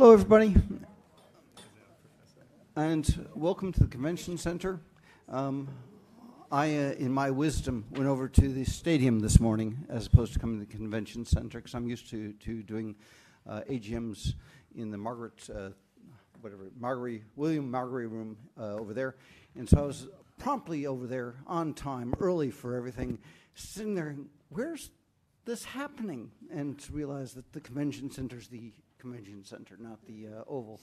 Hello, everybody. And welcome to the Convention Center. I, in my wisdom, went over to the stadium this morning as opposed to coming to the Convention Center because I'm used to doing AGMs in the Margaret—whatever—William Margery room over there. I was promptly over there on time, early for everything, sitting there, "Where's this happening?" and realized that the Convention Center is the Convention Center, not the Oval.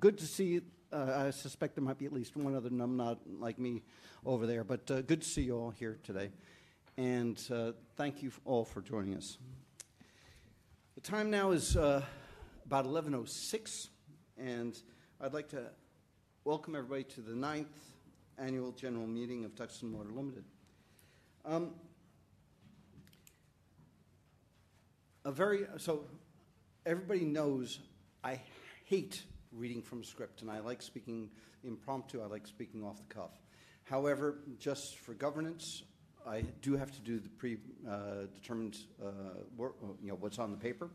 Good to see you. I suspect there might be at least one other numbnod like me over there, but good to see you all here today. Thank you all for joining us. The time now is about 11:06, and I'd like to welcome everybody to the 9th Annual General Meeting of Duxton Water Limited. Everybody knows I hate reading from a script, and I like speaking impromptu. I like speaking off the cuff. However, just for governance, I do have to do the predetermined work, what's on the paper.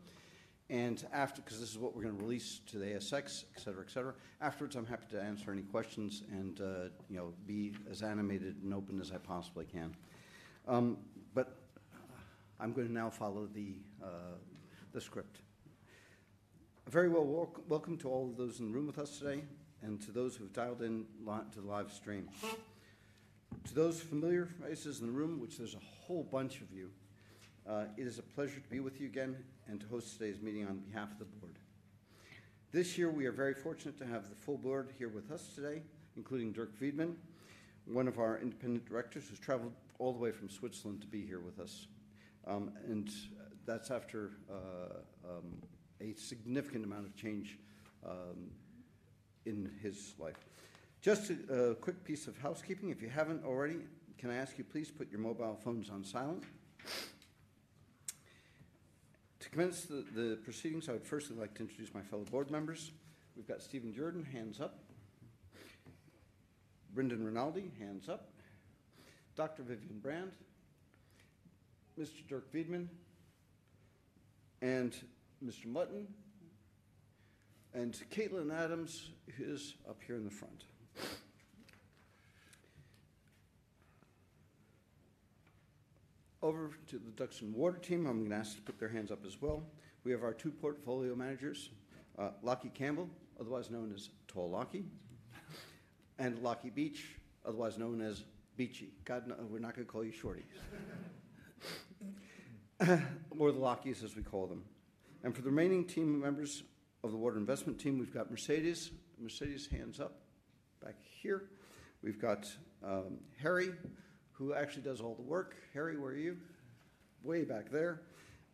After—because this is what we're going to release to the ASX, et cetera, et cetera—afterwards, I'm happy to answer any questions and be as animated and open as I possibly can. I'm going to now follow the script. Very well. Welcome to all of those in the room with us today and to those who have dialed in to the live stream. To those familiar faces in the room, which there's a whole bunch of you, it is a pleasure to be with you again and to host today's meeting on behalf of the board. This year, we are very fortunate to have the full board here with us today, including Dirk Wiedmann, one of our independent directors who's traveled all the way from Switzerland to be here with us. That is after a significant amount of change in his life. Just a quick piece of housekeeping, if you have not already, can I ask you please put your mobile phones on silent? To commence the proceedings, I would first like to introduce my fellow board members. We have Stephen Jordan, hands up. Brendan Rinaldi, hands up. Dr. Vivienne Brand, Mr. Dirk Wiedmann, and Mr. Mutton, and Caitlin Adams, who is up here in the front. Over to the Duxton Water team, I am going to ask to put their hands up as well. We have our two portfolio managers, Lockie Campbell, otherwise known as Tall Lockie, and Lockie Beech, otherwise known as Beechy. We are not going to call you Shorty. Or the Lockies, as we call them. For the remaining team members of the Water Investment team, we have Mercedes. Mercedes, hands up back here. We've got Harry, who actually does all the work. Harry, where are you? Way back there.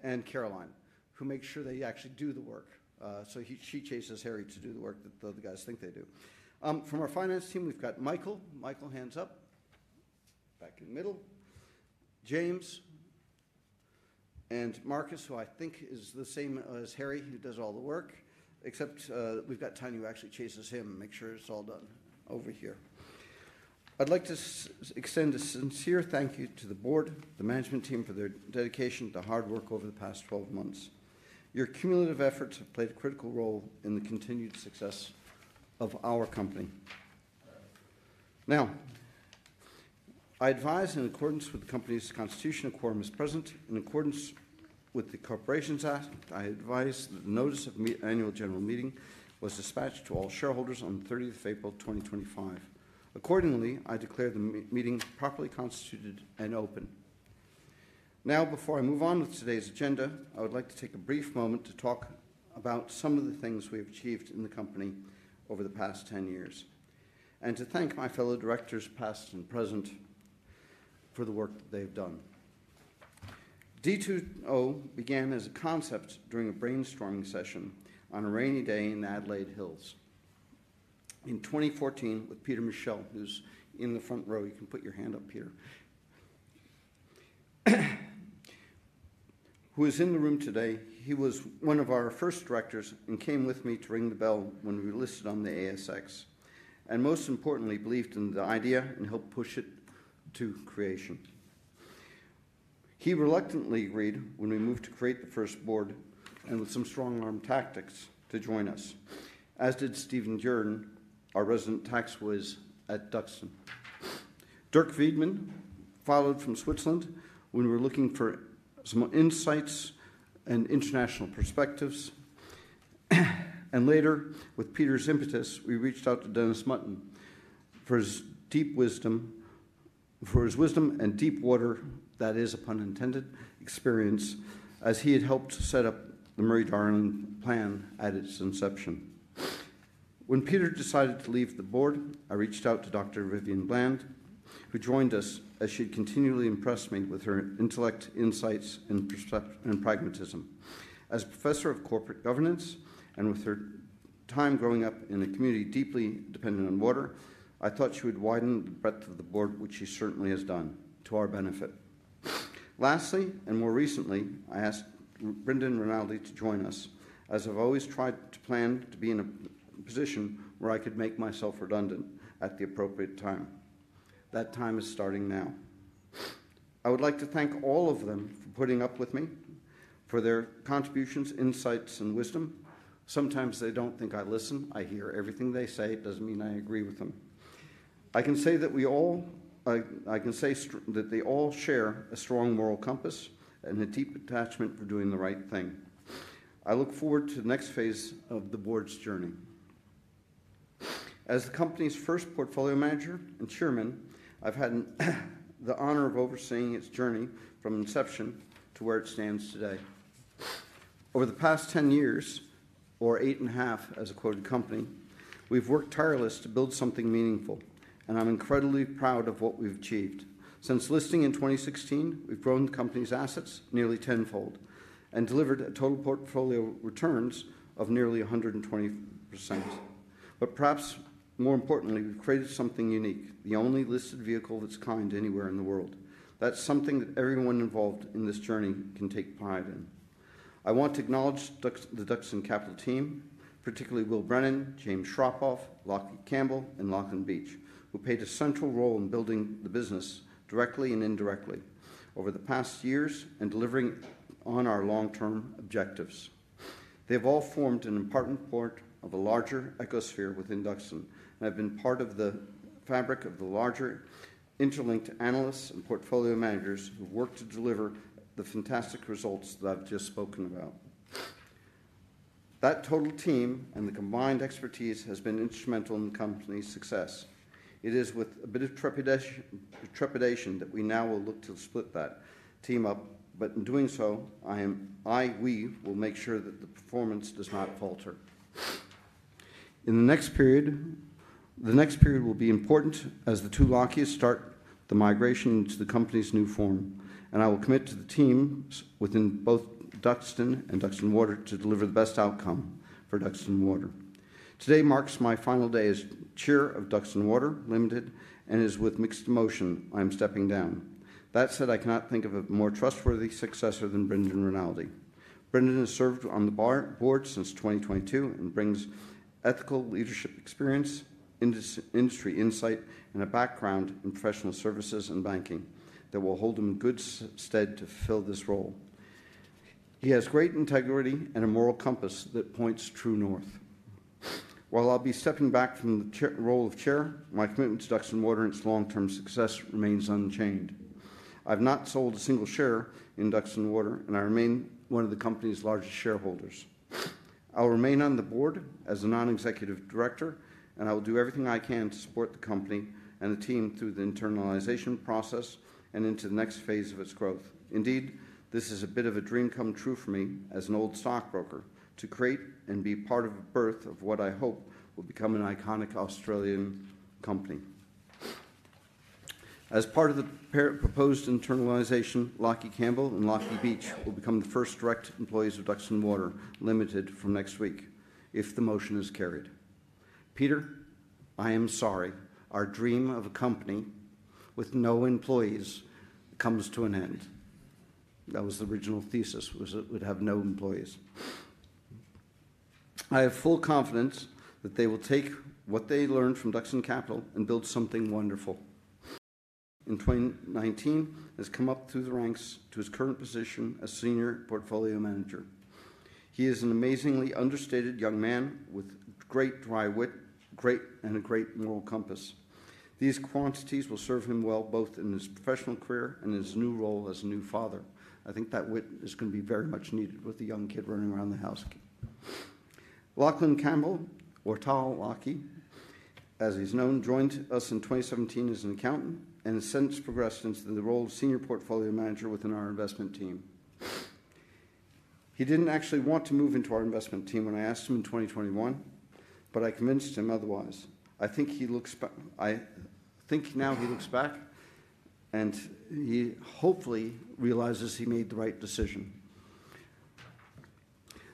And Caroline, who makes sure they actually do the work. She chases Harry to do the work that the other guys think they do. From our finance team, we've got Michael. Michael, hands up. Back in the middle. James. And Marcus, who I think is the same as Harry, who does all the work, except we've got Tony, who actually chases him and makes sure it's all done over here. I'd like to extend a sincere thank you to the board, the management team, for their dedication to hard work over the past 12 months. Your cumulative efforts have played a critical role in the continued success of our company. Now, I advise, in accordance with the company's constitutional quorum as present, in accordance with the Corporations Act, I advise that a notice of the annual general meeting was dispatched to all shareholders on the 30th of April, 2025. Accordingly, I declare the meeting properly constituted and open. Now, before I move on with today's agenda, I would like to take a brief moment to talk about some of the things we have achieved in the company over the past 10 years and to thank my fellow directors, past and present, for the work that they've done. D2O began as a concept during a brainstorming session on a rainy day in Adelaide Hills. In 2014, with Peter Mitchell, who's in the front row—you can put your hand up, Peter—who is in the room today, he was one of our first directors and came with me to ring the bell when we listed on the ASX. Most importantly, believed in the idea and helped push it to creation. He reluctantly agreed when we moved to create the first board and with some strong-arm tactics to join us, as did Stephen Jordan, our resident tax lawyer at Duxton. Dirk Wiedmann followed from Switzerland when we were looking for some insights and international perspectives. Later, with Peter's impetus, we reached out to Dennis Mutton for his deep wisdom and deep water, that is, upon intended experience, as he had helped set up the Murray-Darling plan at its inception. When Peter decided to leave the board, I reached out to Dr. Vivienne Brand, who joined us as she had continually impressed me with her intellect, insights, and pragmatism. As professor of corporate governance and with her time growing up in a community deeply dependent on water, I thought she would widen the breadth of the board, which she certainly has done, to our benefit. Lastly, and more recently, I asked Brendan Rinaldi to join us, as I've always tried to plan to be in a position where I could make myself redundant at the appropriate time. That time is starting now. I would like to thank all of them for putting up with me, for their contributions, insights, and wisdom. Sometimes they do not think I listen. I hear everything they say. It does not mean I agree with them. I can say that we all—I can say that they all share a strong moral compass and a deep attachment for doing the right thing. I look forward to the next phase of the board's journey. As the company's first portfolio manager and Chairman, I've had the honor of overseeing its journey from inception to where it stands today. Over the past 10 years, or eight and a half as a quoted company, we've worked tirelessly to build something meaningful, and I'm incredibly proud of what we've achieved. Since listing in 2016, we've grown the company's assets nearly tenfold and delivered a total portfolio returns of nearly 120%. Perhaps more importantly, we've created something unique, the only listed vehicle of its kind anywhere in the world. That's something that everyone involved in this journey can take pride in. I want to acknowledge the Duxton Capital team, particularly Will Brennan, James Shropoff, Lachlan Campbell, and Lachlan Beech, who played a central role in building the business directly and indirectly over the past years and delivering on our long-term objectives. They have all formed an important part of a larger ecosphere within Duxton and have been part of the fabric of the larger interlinked analysts and portfolio managers who work to deliver the fantastic results that I've just spoken about. That total team and the combined expertise has been instrumental in the company's success. It is with a bit of trepidation that we now will look to split that team up, but in doing so, I—we will make sure that the performance does not falter. In the next period, the next period will be important as the two Lockies start the migration into the company's new form, and I will commit to the teams within both Duxton and Duxton Water to deliver the best outcome for Duxton Water. Today marks my final day as Chair of Duxton Water Limited and is with mixed emotion. I am stepping down. That said, I cannot think of a more trustworthy successor than Brendan Rinaldi. Brendan has served on the board since 2022 and brings ethical leadership experience, industry insight, and a background in professional services and banking that will hold him in good stead to fill this role. He has great integrity and a moral compass that points true north. While I'll be stepping back from the role of Chair, my commitment to Duxton Water and its long-term success remains unchanged. I've not sold a single share in Duxton Water, and I remain one of the company's largest shareholders. I'll remain on the board as a non-executive director, and I will do everything I can to support the company and the team through the internalization process and into the next phase of its growth. Indeed, this is a bit of a dream come true for me as an old stockbroker to create and be part of a birth of what I hope will become an iconic Australian company. As part of the proposed internalization, Lockie Campbell and Lockie Beech will become the first direct employees of Duxton Water Limited from next week if the motion is carried. Peter, I am sorry. Our dream of a company with no employees comes to an end. That was the original thesis, was it would have no employees. I have full confidence that they will take what they learned from Duxton Capital and build something wonderful. In 2019, he has come up through the ranks to his current position as Senior Portfolio Manager. He is an amazingly understated young man with great dry wit and a great moral compass. These qualities will serve him well both in his professional career and in his new role as a new father. I think that wit is going to be very much needed with a young kid running around the house. Lachlan Campbell, or Tall Lockie, as he's known, joined us in 2017 as an accountant and has since progressed into the role of Senior Portfolio Manager within our investment team. He did not actually want to move into our investment team when I asked him in 2021, but I convinced him otherwise. I think he looks—I think now he looks back, and he hopefully realizes he made the right decision.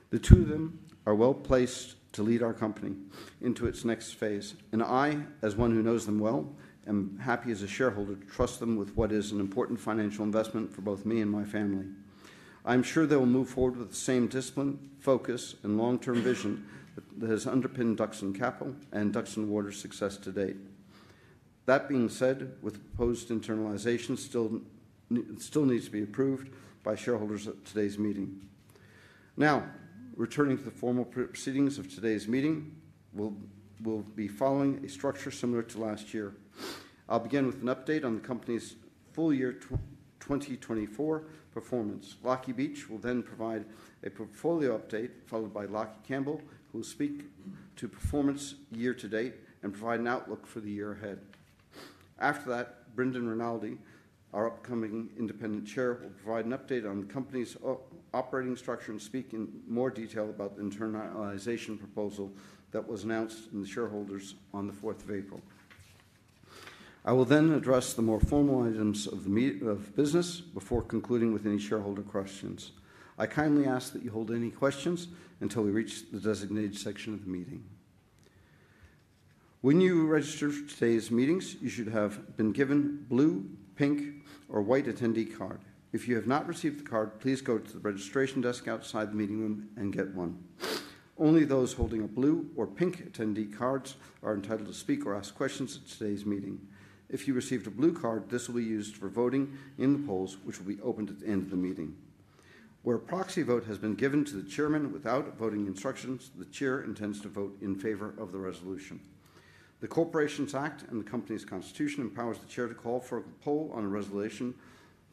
The two of them are well placed to lead our company into its next phase. I, as one who knows them well and happy as a shareholder, trust them with what is an important financial investment for both me and my family. I'm sure they will move forward with the same discipline, focus, and long-term vision that has underpinned Duxton Capital and Duxton Water's success to date. That being said, the proposed internalization still needs to be approved by shareholders at today's meeting. Now, returning to the formal proceedings of today's meeting, we'll be following a structure similar to last year. I'll begin with an update on the company's full year 2024 performance. Lockie Beech will then provide a portfolio update, followed by Lockie Campbell, who will speak to performance year to date and provide an outlook for the year ahead. After that, Brendan Rinaldi, our upcoming independent chair, will provide an update on the company's operating structure and speak in more detail about the internalization proposal that was announced to the shareholders on the 4th of April. I will then address the more formal items of business before concluding with any shareholder questions. I kindly ask that you hold any questions until we reach the designated section of the meeting. When you register for today's meetings, you should have been given a blue, pink, or white attendee card. If you have not received the card, please go to the registration desk outside the meeting room and get one. Only those holding a blue or pink attendee card are entitled to speak or ask questions at today's meeting. If you received a blue card, this will be used for voting in the polls, which will be opened at the end of the meeting. Where a proxy vote has been given to the chairman without voting instructions, the chair intends to vote in favor of the resolution. The Corporations Act and the company's constitution empowers the chair to call for a poll on a resolution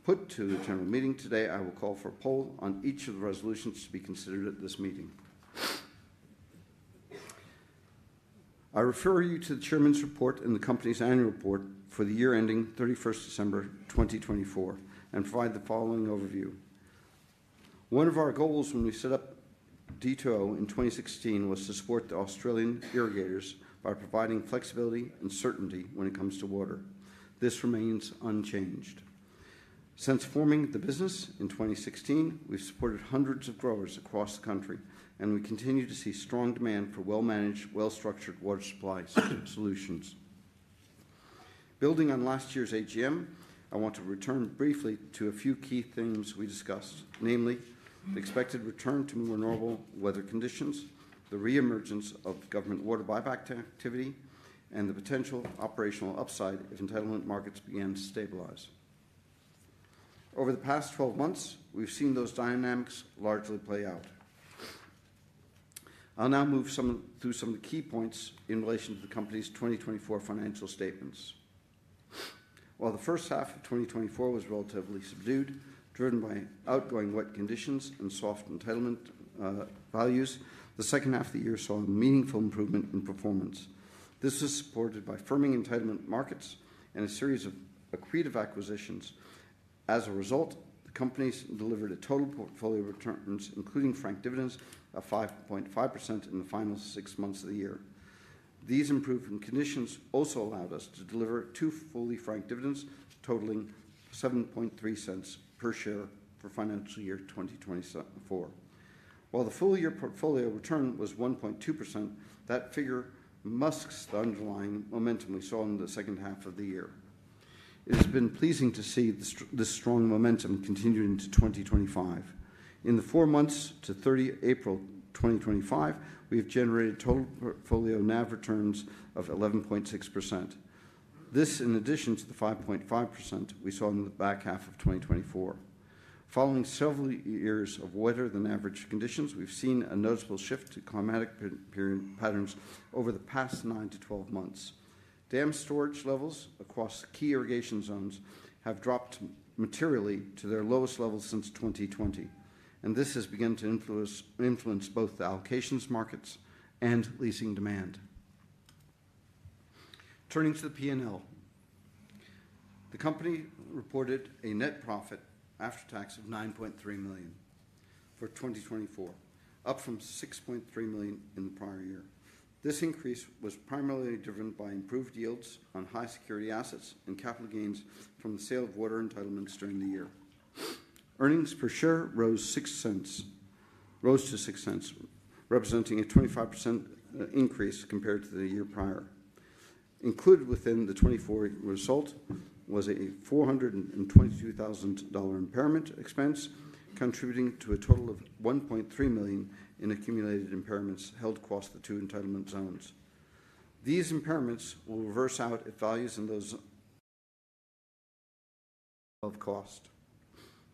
put to the general meeting today. I will call for a poll on each of the resolutions to be considered at this meeting. I refer you to the chairman's report and the company's annual report for the year ending 31 December 2024 and provide the following overview. One of our goals when we set up D2O in 2016 was to support the Australian irrigators by providing flexibility and certainty when it comes to water. This remains unchanged. Since forming the business in 2016, we've supported hundreds of growers across the country, and we continue to see strong demand for well-managed, well-structured water supply solutions. Building on last year's AGM, I want to return briefly to a few key things we discussed, namely the expected return to more normal weather conditions, the reemergence of government water buyback activity, and the potential operational upside if entitlement markets begin to stabilize. Over the past 12 months, we've seen those dynamics largely play out. I'll now move through some of the key points in relation to the company's 2024 financial statements. While the first half of 2024 was relatively subdued, driven by outgoing wet conditions and soft entitlement values, the second half of the year saw a meaningful improvement in performance. This is supported by firming entitlement markets and a series of accretive acquisitions. As a result, the company delivered a total portfolio return, including franked dividends, of 5.5% in the final six months of the year. These improved conditions also allowed us to deliver two fully franked dividends, totaling 7.3 cents per share for financial year 2024. While the full year portfolio return was 1.2%, that figure masks the underlying momentum we saw in the second half of the year. It has been pleasing to see this strong momentum continuing to 2025. In the four months to 30 April 2025, we have generated total portfolio NAV returns of 11.6%. This, in addition to the 5.5% we saw in the back half of 2024. Following several years of wetter than average conditions, we've seen a noticeable shift to climatic patterns over the past nine to 12 months. Dam storage levels across key irrigation zones have dropped materially to their lowest levels since 2020, and this has begun to influence both the allocations markets and leasing demand. Turning to the P&L, the company reported a net profit after tax of 9.3 million for 2024, up from 6.3 million in the prior year. This increase was primarily driven by improved yields on high security assets and capital gains from the sale of water entitlements during the year. Earnings per share rose to 0.06, representing a 25% increase compared to the year prior. Included within the 2024 result was an 422,000 dollar impairment expense, contributing to a total of 1.3 million in accumulated impairments held across the two entitlement zones. These impairments will reverse out at values in those of cost.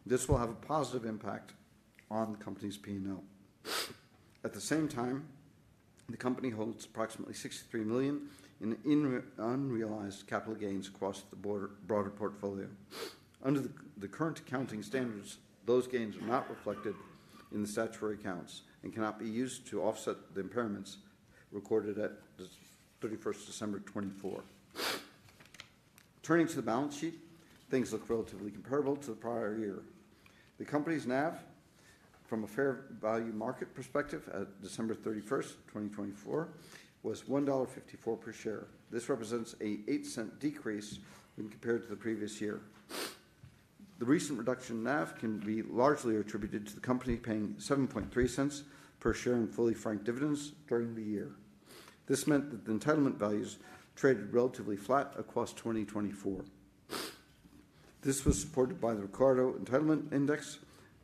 This will have a positive impact on the company's P&L. At the same time, the company holds approximately 63 million in unrealized capital gains across the broader portfolio. Under the current accounting standards, those gains are not reflected in the statutory accounts and cannot be used to offset the impairments recorded at 31st December 2024. Turning to the balance sheet, things look relatively comparable to the prior year. The company's NAV, from a fair value market perspective at December 31st, 2024, was 1.54 dollar per share. This represents an 8-cent decrease when compared to the previous year. The recent reduction in NAV can be largely attributed to the company paying 0.073 per share in fully franked dividends during the year. This meant that the entitlement values traded relatively flat across 2024. This was supported by the Ricardo Entitlement Index,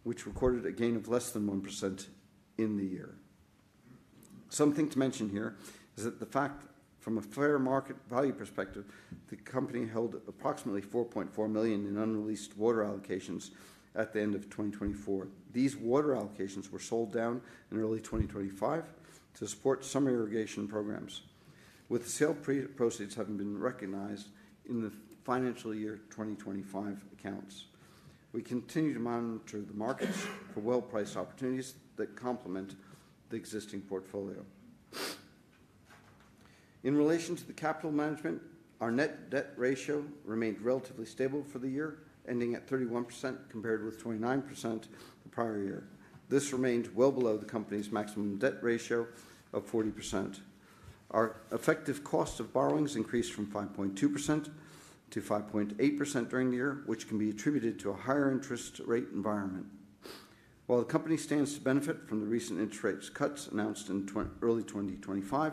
which recorded a gain of less than 1% in the year. Something to mention here is that the fact, from a fair market value perspective, the company held approximately 4.4 million in unreleased water allocations at the end of 2024. These water allocations were sold down in early 2025 to support some irrigation programs, with the sale proceeds having been recognized in the financial year 2025 accounts. We continue to monitor the markets for well-priced opportunities that complement the existing portfolio. In relation to the capital management, our net debt ratio remained relatively stable for the year, ending at 31% compared with 29% the prior year. This remained well below the company's maximum debt ratio of 40%. Our effective cost of borrowings increased from 5.2% to 5.8% during the year, which can be attributed to a higher interest rate environment. While the company stands to benefit from the recent interest rate cuts announced in early 2025,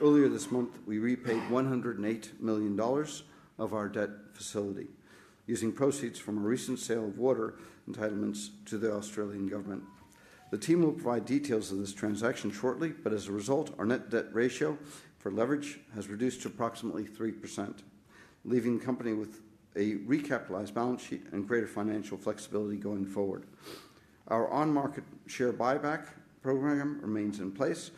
earlier this month, we repaid 108 million dollars of our debt facility using proceeds from a recent sale of water entitlements to the Australian Government. The team will provide details of this transaction shortly, but as a result, our net debt ratio for leverage has reduced to approximately 3%, leaving the company with a recapitalized balance sheet and greater financial flexibility going forward. Our on-market share buyback program remains in place.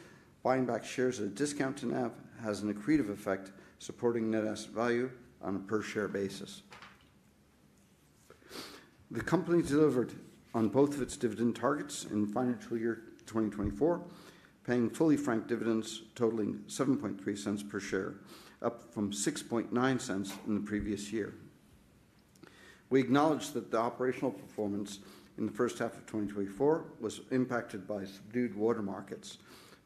Buying back shares at a discount to NAV has an accretive effect, supporting net asset value on a per-share basis. The company delivered on both of its dividend targets in financial year 2024, paying fully franked dividends totaling 0.073 per share, up from 0.069 in the previous year. We acknowledge that the operational performance in the first half of 2024 was impacted by subdued water markets.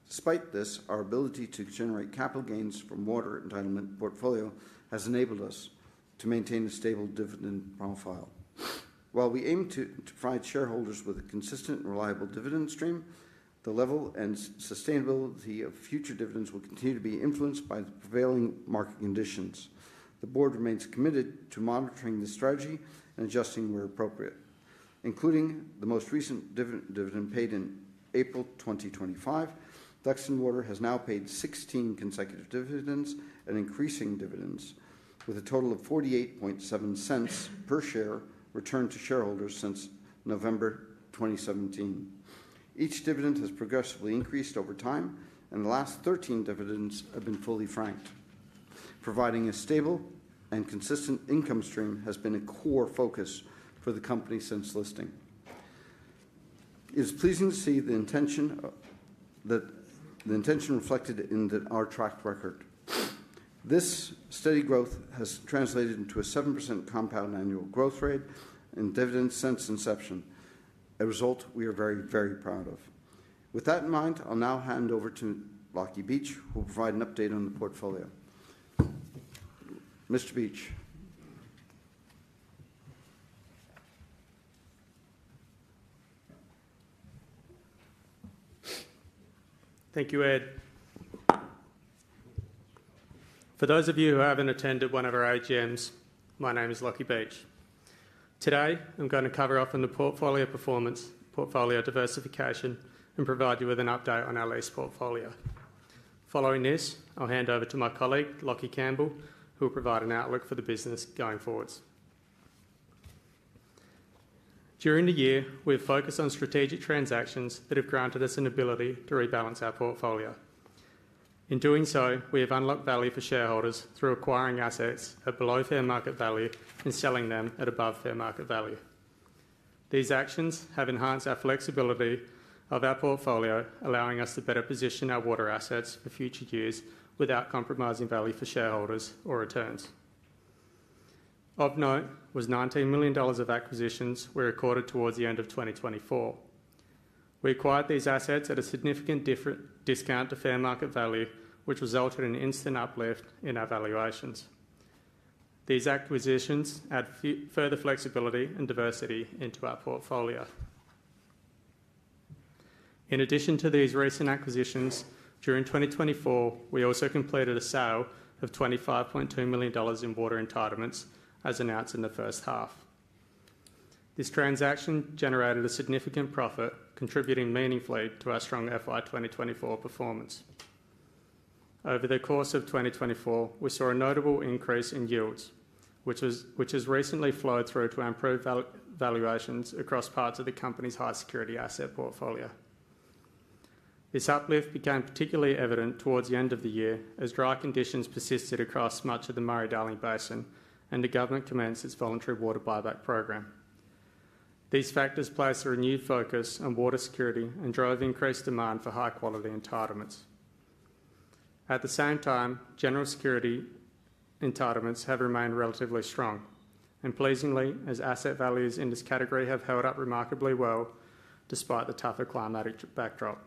Despite this, our ability to generate capital gains from water entitlement portfolio has enabled us to maintain a stable dividend profile. While we aim to provide shareholders with a consistent and reliable dividend stream, the level and sustainability of future dividends will continue to be influenced by the prevailing market conditions. The board remains committed to monitoring the strategy and adjusting where appropriate. Including the most recent dividend paid in April 2025, Duxton Water has now paid 16 consecutive dividends and increasing dividends, with a total of 0.487 per share returned to shareholders since November 2017. Each dividend has progressively increased over time, and the last 13 dividends have been fully franked. Providing a stable and consistent income stream has been a core focus for the company since listing. It is pleasing to see the intention reflected in our track record. This steady growth has translated into a 7% compound annual growth rate and dividends since inception, a result we are very, very proud of. With that in mind, I'll now hand over to Lockie Beech, who will provide an update on the portfolio. Mr. Beech. Thank you, Ed. For those of you who haven't attended one of our AGMs, my name is Lockie Beech. Today, I'm going to cover off on the portfolio performance, portfolio diversification, and provide you with an update on our lease portfolio. Following this, I'll hand over to my colleague, Lockie Campbell, who will provide an outlook for the business going forwards. During the year, we have focused on strategic transactions that have granted us an ability to rebalance our portfolio. In doing so, we have unlocked value for shareholders through acquiring assets at below fair market value and selling them at above fair market value. These actions have enhanced our flexibility of our portfolio, allowing us to better position our water assets for future years without compromising value for shareholders or returns. Of note was 19 million dollars of acquisitions we recorded towards the end of 2024. We acquired these assets at a significant discount to fair market value, which resulted in an instant uplift in our valuations. These acquisitions add further flexibility and diversity into our portfolio. In addition to these recent acquisitions, during 2024, we also completed a sale of 25.2 million dollars in water entitlements, as announced in the first half. This transaction generated a significant profit, contributing meaningfully to our strong FY 2024 performance. Over the course of 2024, we saw a notable increase in yields, which has recently flowed through to our improved valuations across parts of the company's high security asset portfolio. This uplift became particularly evident towards the end of the year as dry conditions persisted across much of the Murray-Darling Basin and the government commenced its voluntary water buyback program. These factors placed a renewed focus on water security and drove increased demand for high-quality entitlements. At the same time, general security entitlements have remained relatively strong, and pleasingly, as asset values in this category have held up remarkably well despite the tougher climatic backdrop.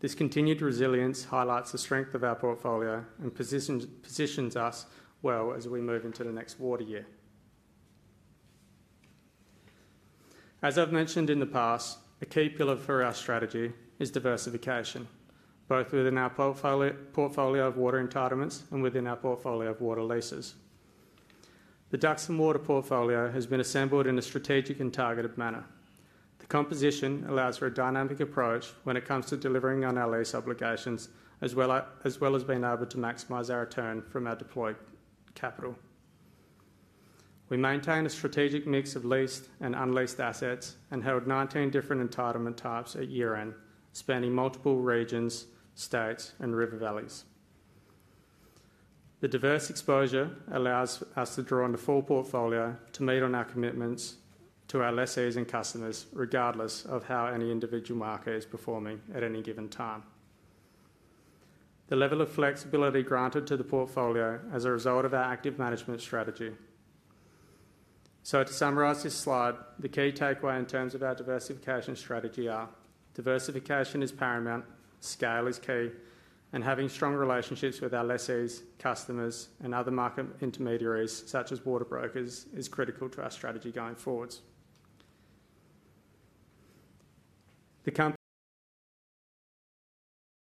This continued resilience highlights the strength of our portfolio and positions us well as we move into the next water year. As I've mentioned in the past, a key pillar for our strategy is diversification, both within our portfolio of water entitlements and within our portfolio of water leases. The Duxton Water portfolio has been assembled in a strategic and targeted manner. The composition allows for a dynamic approach when it comes to delivering on our lease obligations, as well as being able to maximize our return from our deployed capital. We maintain a strategic mix of leased and unleased assets and held 19 different entitlement types at year-end, spanning multiple regions, states, and river valleys. The diverse exposure allows us to draw on the full portfolio to meet on our commitments to our less-seasoned customers, regardless of how any individual market is performing at any given time. The level of flexibility granted to the portfolio as a result of our active management strategy. To summarize this slide, the key takeaway in terms of our diversification strategy are diversification is paramount, scale is key, and having strong relationships with our less-seasoned customers and other market intermediaries, such as water brokers, is critical to our strategy going forwards.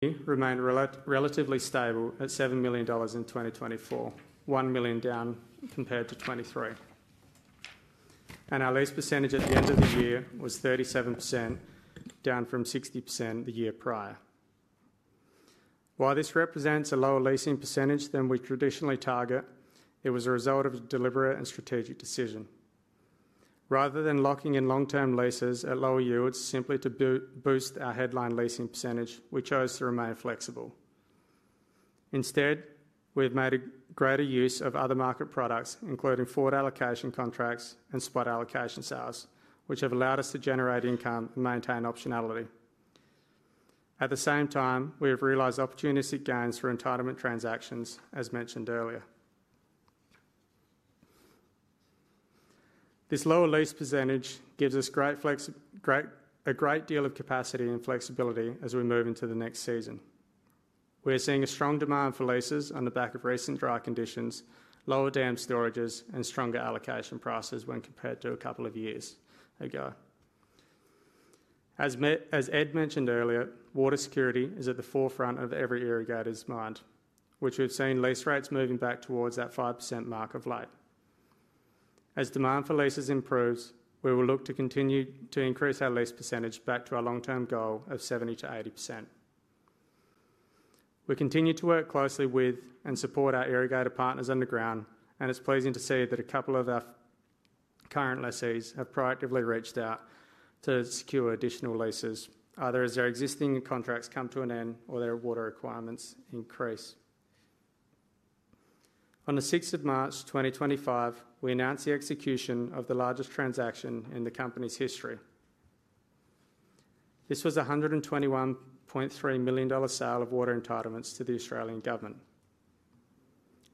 The company remained relatively stable at 7 million dollars in 2024, 1 million down compared to 2023. Our lease percentage at the end of the year was 37%, down from 60% the year prior. While this represents a lower leasing percentage than we traditionally target, it was a result of a deliberate and strategic decision. Rather than locking in long-term leases at lower yields simply to boost our headline leasing percentage, we chose to remain flexible. Instead, we have made greater use of other market products, including forward allocation contracts and spot allocation sales, which have allowed us to generate income and maintain optionality. At the same time, we have realized opportunistic gains for entitlement transactions, as mentioned earlier. This lower lease percentage gives us a great deal of capacity and flexibility as we move into the next season. We are seeing a strong demand for leases on the back of recent dry conditions, lower dam storages, and stronger allocation prices when compared to a couple of years ago. As Ed mentioned earlier, water security is at the forefront of every irrigator's mind, which we've seen lease rates moving back towards that 5% mark of late. As demand for leases improves, we will look to continue to increase our lease percentage back to our long-term goal of 70%-80%. We continue to work closely with and support our irrigator partners underground, and it's pleasing to see that a couple of our current less-seasoned customers have proactively reached out to secure additional leases, either as their existing contracts come to an end or their water requirements increase. On the 6th of March 2025, we announced the execution of the largest transaction in the company's history. This was an 121.3 million dollar sale of water entitlements to the Australian Government.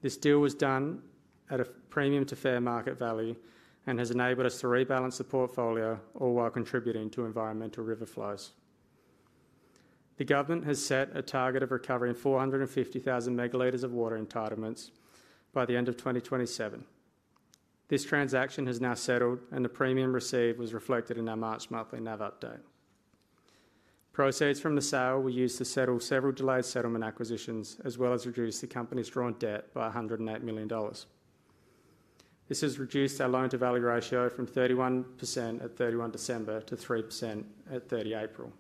This deal was done at a premium to fair market value and has enabled us to rebalance the portfolio all while contributing to environmental river flows. The government has set a target of recovering 450,000 megalitres of water entitlements by the end of 2027. This transaction has now settled, and the premium received was reflected in our March monthly NAV update. Proceeds from the sale were used to settle several delayed settlement acquisitions, as well as reduce the company's drawn debt by 108 million dollars. This has reduced our loan-to-value ratio from 31% at 31 December to 3% at 30 April.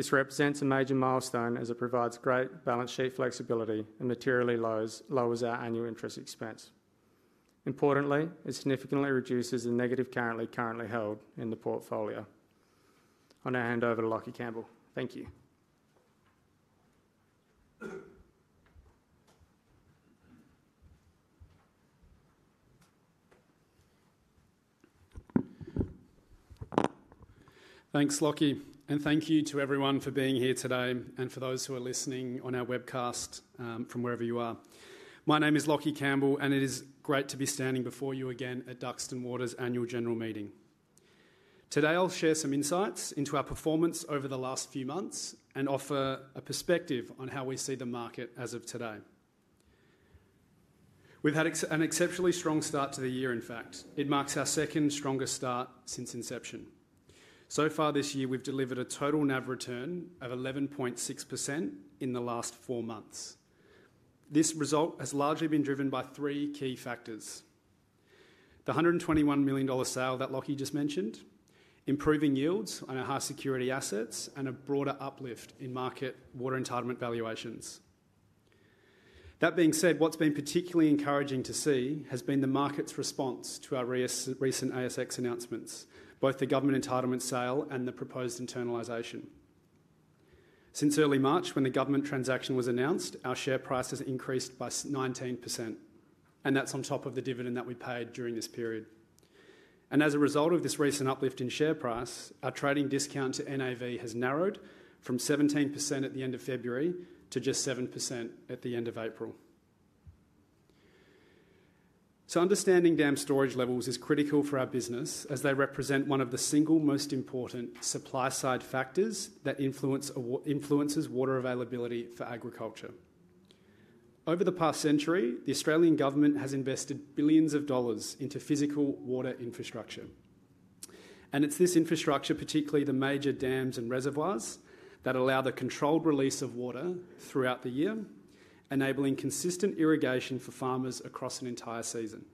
This represents a major milestone as it provides great balance sheet flexibility and materially lowers our annual interest expense. Importantly, it significantly reduces the negative currently held in the portfolio. I'll now hand over to Lockie Campbell. Thank you. Thanks, Lockie, and thank you to everyone for being here today and for those who are listening on our webcast from wherever you are. My name is Lockie Campbell, and it is great to be standing before you again at Duxton Water's annual general meeting. Today, I'll share some insights into our performance over the last few months and offer a perspective on how we see the market as of today. We've had an exceptionally strong start to the year. In fact, it marks our second strongest start since inception. So far this year, we've delivered a total NAV return of 11.6% in the last four months. This result has largely been driven by three key factors: the 121 million dollar sale that Lockie just mentioned, improving yields on our high security assets, and a broader uplift in market water entitlement valuations. That being said, what's been particularly encouraging to see has been the market's response to our recent ASX announcements, both the government entitlement sale and the proposed internalization. Since early March, when the government transaction was announced, our share price has increased by 19%, and that's on top of the dividend that we paid during this period. As a result of this recent uplift in share price, our trading discount to NAV has narrowed from 17% at the end of February to just 7% at the end of April. Understanding dam storage levels is critical for our business, as they represent one of the single most important supply-side factors that influences water availability for agriculture. Over the past century, the Australian government has invested billions of dollars into physical water infrastructure. It is this infrastructure, particularly the major dams and reservoirs, that allow the controlled release of water throughout the year, enabling consistent irrigation for farmers across an entire season.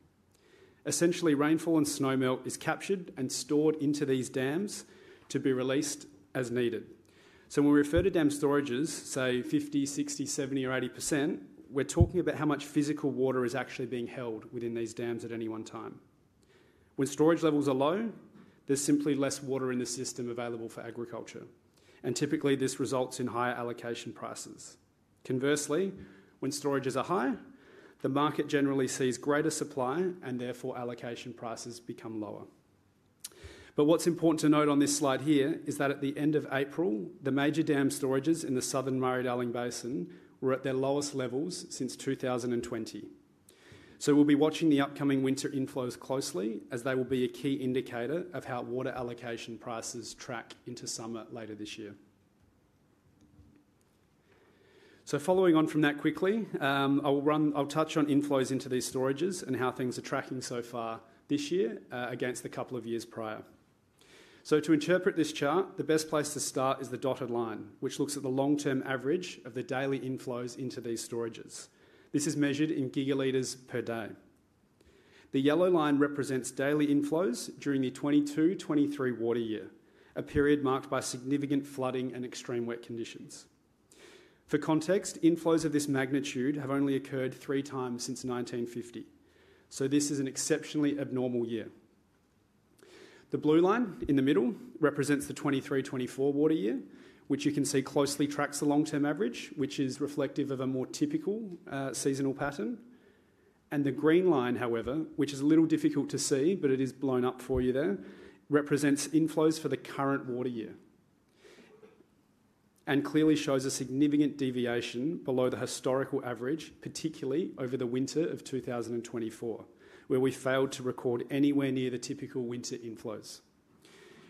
Essentially, rainfall and snowmelt is captured and stored into these dams to be released as needed. When we refer to dam storages, say 50%, 60%, 70%, or 80%, we're talking about how much physical water is actually being held within these dams at any one time. When storage levels are low, there's simply less water in the system available for agriculture, and typically this results in higher allocation prices. Conversely, when storages are high, the market generally sees greater supply and therefore allocation prices become lower. What's important to note on this slide here is that at the end of April, the major dam storages in the southern Murray-Darling Basin were at their lowest levels since 2020. We'll be watching the upcoming winter inflows closely as they will be a key indicator of how water allocation prices track into summer later this year. Following on from that quickly, I'll touch on inflows into these storages and how things are tracking so far this year against a couple of years prior. To interpret this chart, the best place to start is the dotted line, which looks at the long-term average of the daily inflows into these storages. This is measured in gigalitres per day. The yellow line represents daily inflows during the 2022-2023 water year, a period marked by significant flooding and extreme wet conditions. For context, inflows of this magnitude have only occurred three times since 1950, so this is an exceptionally abnormal year. The blue line in the middle represents the 2023-2024 water year, which you can see closely tracks the long-term average, which is reflective of a more typical seasonal pattern. The green line, however, which is a little difficult to see, but it is blown up for you there, represents inflows for the current water year and clearly shows a significant deviation below the historical average, particularly over the winter of 2024, where we failed to record anywhere near the typical winter inflows.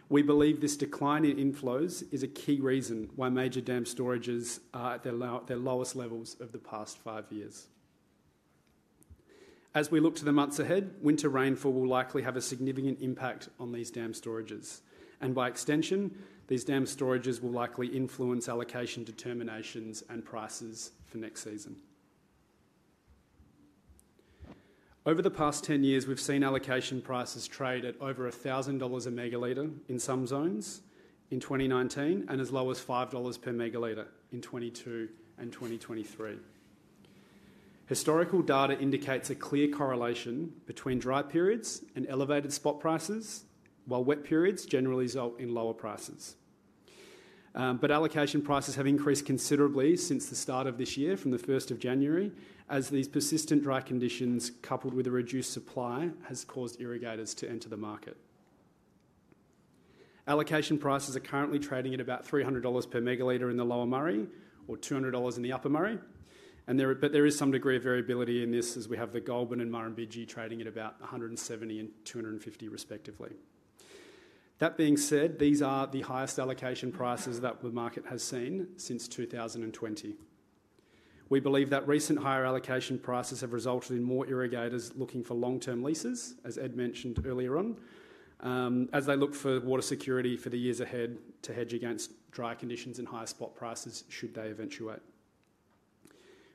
We believe this decline in inflows is a key reason why major dam storages are at their lowest levels of the past five years. As we look to the months ahead, winter rainfall will likely have a significant impact on these dam storages, and by extension, these dam storages will likely influence allocation determinations and prices for next season. Over the past 10 years, we've seen allocation prices trade at over 1,000 dollars a megalitre in some zones in 2019 and as low as 5 dollars per megalitre in 2022 and 2023. Historical data indicates a clear correlation between dry periods and elevated spot prices, while wet periods generally result in lower prices. Allocation prices have increased considerably since the start of this year, from the 1st of January, as these persistent dry conditions, coupled with a reduced supply, have caused irrigators to enter the market. Allocation prices are currently trading at about 300 dollars per megalitre in the Lower Murray or 200 dollars in the Upper Murray, but there is some degree of variability in this as we have the Goulburn and Murrumbidgee trading at about 170 and 250, respectively. That being said, these are the highest allocation prices that the market has seen since 2020. We believe that recent higher allocation prices have resulted in more irrigators looking for long-term leases, as Ed mentioned earlier on, as they look for water security for the years ahead to hedge against dry conditions and higher spot prices should they eventuate.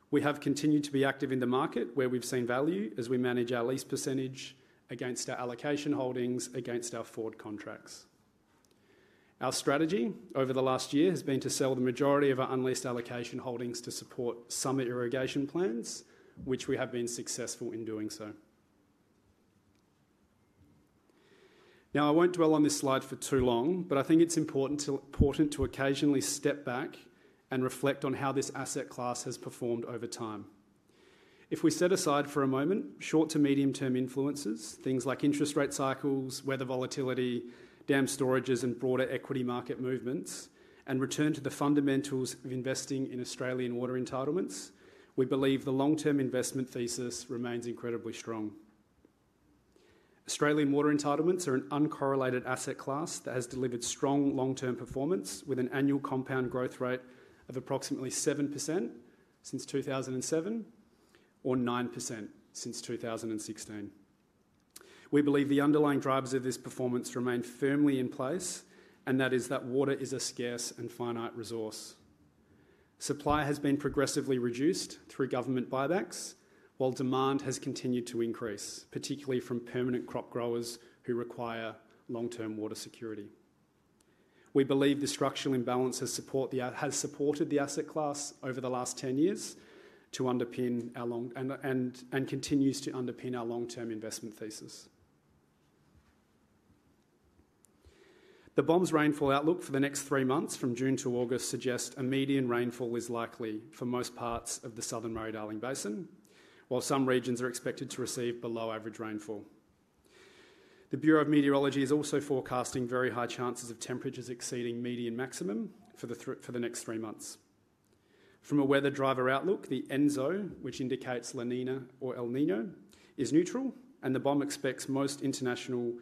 We have continued to be active in the market where we've seen value as we manage our lease percentage against our allocation holdings, against our forward contracts. Our strategy over the last year has been to sell the majority of our unleased allocation holdings to support summer irrigation plans, which we have been successful in doing. Now, I won't dwell on this slide for too long, but I think it's important to occasionally step back and reflect on how this asset class has performed over time. If we set aside for a moment short to medium-term influences, things like interest rate cycles, weather volatility, dam storages, and broader equity market movements, and return to the fundamentals of investing in Australian water entitlements, we believe the long-term investment thesis remains incredibly strong. Australian water entitlements are an uncorrelated asset class that has delivered strong long-term performance with an annual compound growth rate of approximately 7% since 2007 or 9% since 2016. We believe the underlying drivers of this performance remain firmly in place, and that is that water is a scarce and finite resource. Supply has been progressively reduced through government buybacks, while demand has continued to increase, particularly from permanent crop growers who require long-term water security. We believe the structural imbalance has supported the asset class over the last 10 years to underpin our long and continues to underpin our long-term investment thesis. The BOM's rainfall outlook for the next three months from June to August suggests a median rainfall is likely for most parts of the southern Murray-Darling Basin, while some regions are expected to receive below-average rainfall. The Bureau of Meteorology is also forecasting very high chances of temperatures exceeding median maximum for the next three months. From a weather driver outlook, the ENSO, which indicates La Niña or El Niño, is neutral, and the BOM expects most international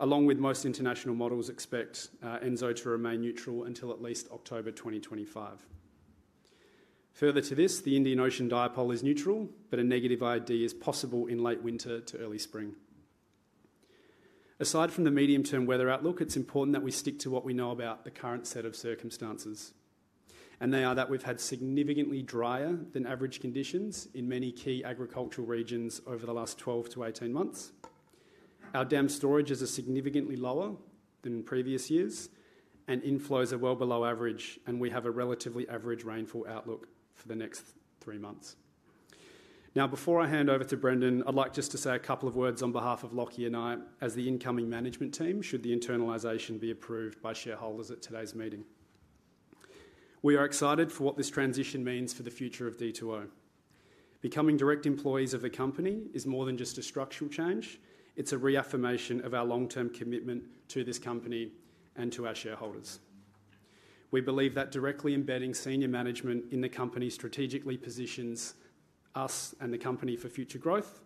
models expect ENSO to remain neutral until at least October 2025. Further to this, the Indian Ocean Dipole is neutral, but a negative IOD is possible in late winter to early spring. Aside from the medium-term weather outlook, it's important that we stick to what we know about the current set of circumstances, and they are that we've had significantly drier than average conditions in many key agricultural regions over the last 12-18 months. Our dam storage is significantly lower than previous years, and inflows are well below average, and we have a relatively average rainfall outlook for the next three months. Now, before I hand over to Brendan, I'd like just to say a couple of words on behalf of Lockie and I as the incoming management team should the internalization be approved by shareholders at today's meeting. We are excited for what this transition means for the future of D2O. Becoming direct employees of the company is more than just a structural change. It's a reaffirmation of our long-term commitment to this company and to our shareholders. We believe that directly embedding senior management in the company strategically positions us and the company for future growth,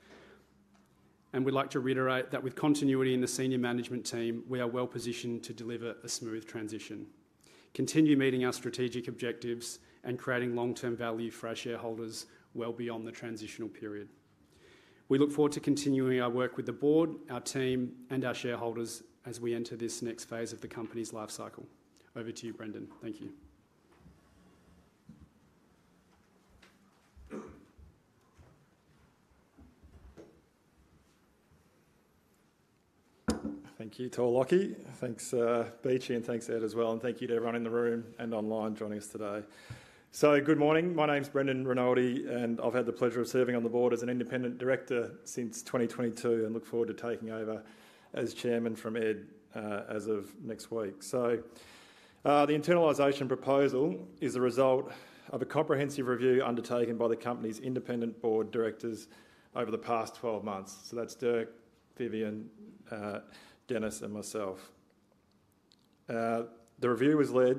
and we'd like to reiterate that with continuity in the senior management team, we are well positioned to deliver a smooth transition, continue meeting our strategic objectives, and creating long-term value for our shareholders well beyond the transitional period. We look forward to continuing our work with the board, our team, and our shareholders as we enter this next phase of the company's life cycle. Over to you, Brendan. Thank you. Thank you to Lockie. Thanks, Beechy, and thanks, Ed, as well. Thank you to everyone in the room and online joining us today. Good morning. My name's Brendan Rinaldi, and I've had the pleasure of serving on the board as an independent director since 2022 and look forward to taking over as chairman from Ed as of next week. The internalization proposal is a result of a comprehensive review undertaken by the company's independent board directors over the past 12 months. That's Dirk, Vivienne, Dennis, and myself. The review was led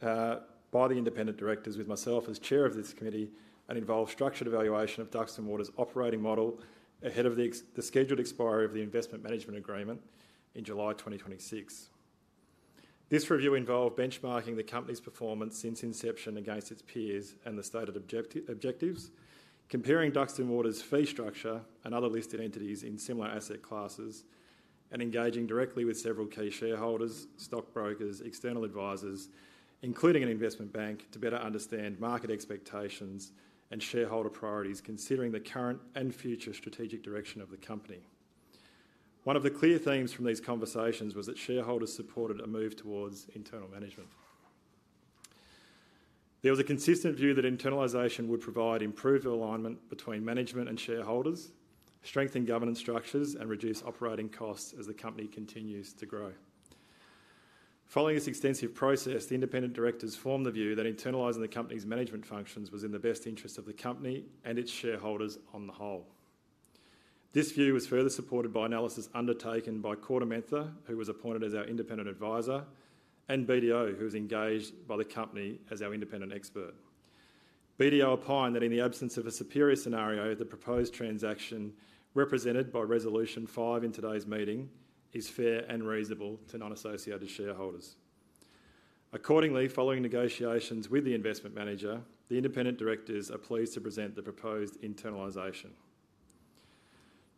by the independent directors with myself as chair of this committee and involved structured evaluation of Duxton Water's operating model ahead of the scheduled expiry of the investment management agreement in July 2026. This review involved benchmarking the company's performance since inception against its peers and the stated objectives, comparing Duxton Water's fee structure and other listed entities in similar asset classes, and engaging directly with several key shareholders, stock brokers, external advisors, including an investment bank, to better understand market expectations and shareholder priorities, considering the current and future strategic direction of the company. One of the clear themes from these conversations was that shareholders supported a move towards internal management. There was a consistent view that internalisation would provide improved alignment between management and shareholders, strengthen governance structures, and reduce operating costs as the company continues to grow. Following this extensive process, the independent directors formed the view that internalising the company's management functions was in the best interest of the company and its shareholders on the whole. This view was further supported by analysis undertaken by KordaMentha, who was appointed as our independent advisor, and BDO, who was engaged by the company as our independent expert. BDO opined that in the absence of a superior scenario, the proposed transaction represented by resolution five in today's meeting is fair and reasonable to non-associated shareholders. Accordingly, following negotiations with the investment manager, the independent directors are pleased to present the proposed internalization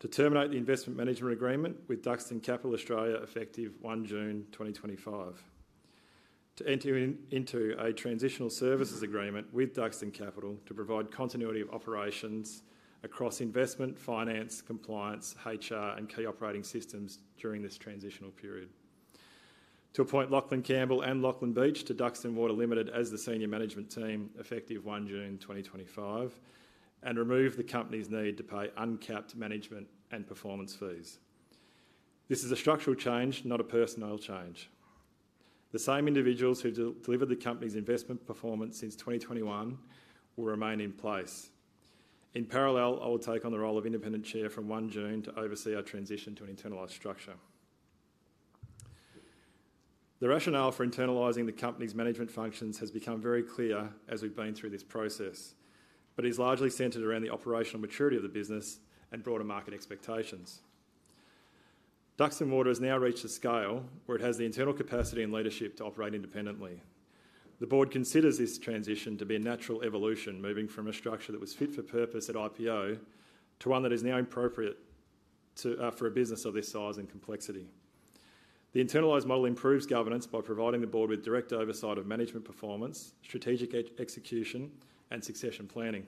to terminate the investment management agreement with Duxton Capital Australia effective 1 June 2025, to enter into a transitional services agreement with Duxton Capital to provide continuity of operations across investment, finance, compliance, HR, and key operating systems during this transitional period, to appoint Lachlan Campbell and Lachlan Beech to Duxton Water Limited as the senior management team effective 1 June 2025, and remove the company's need to pay uncapped management and performance fees. This is a structural change, not a personnel change. The same individuals who delivered the company's investment performance since 2021 will remain in place. In parallel, I will take on the role of independent chair from 1 June to oversee our transition to an internalised structure. The rationale for internalising the company's management functions has become very clear as we've been through this process, but it is largely centred around the operational maturity of the business and broader market expectations. Duxton Water has now reached a scale where it has the internal capacity and leadership to operate independently. The board considers this transition to be a natural evolution, moving from a structure that was fit for purpose at IPO to one that is now appropriate for a business of this size and complexity. The internalised model improves governance by providing the board with direct oversight of management performance, strategic execution, and succession planning.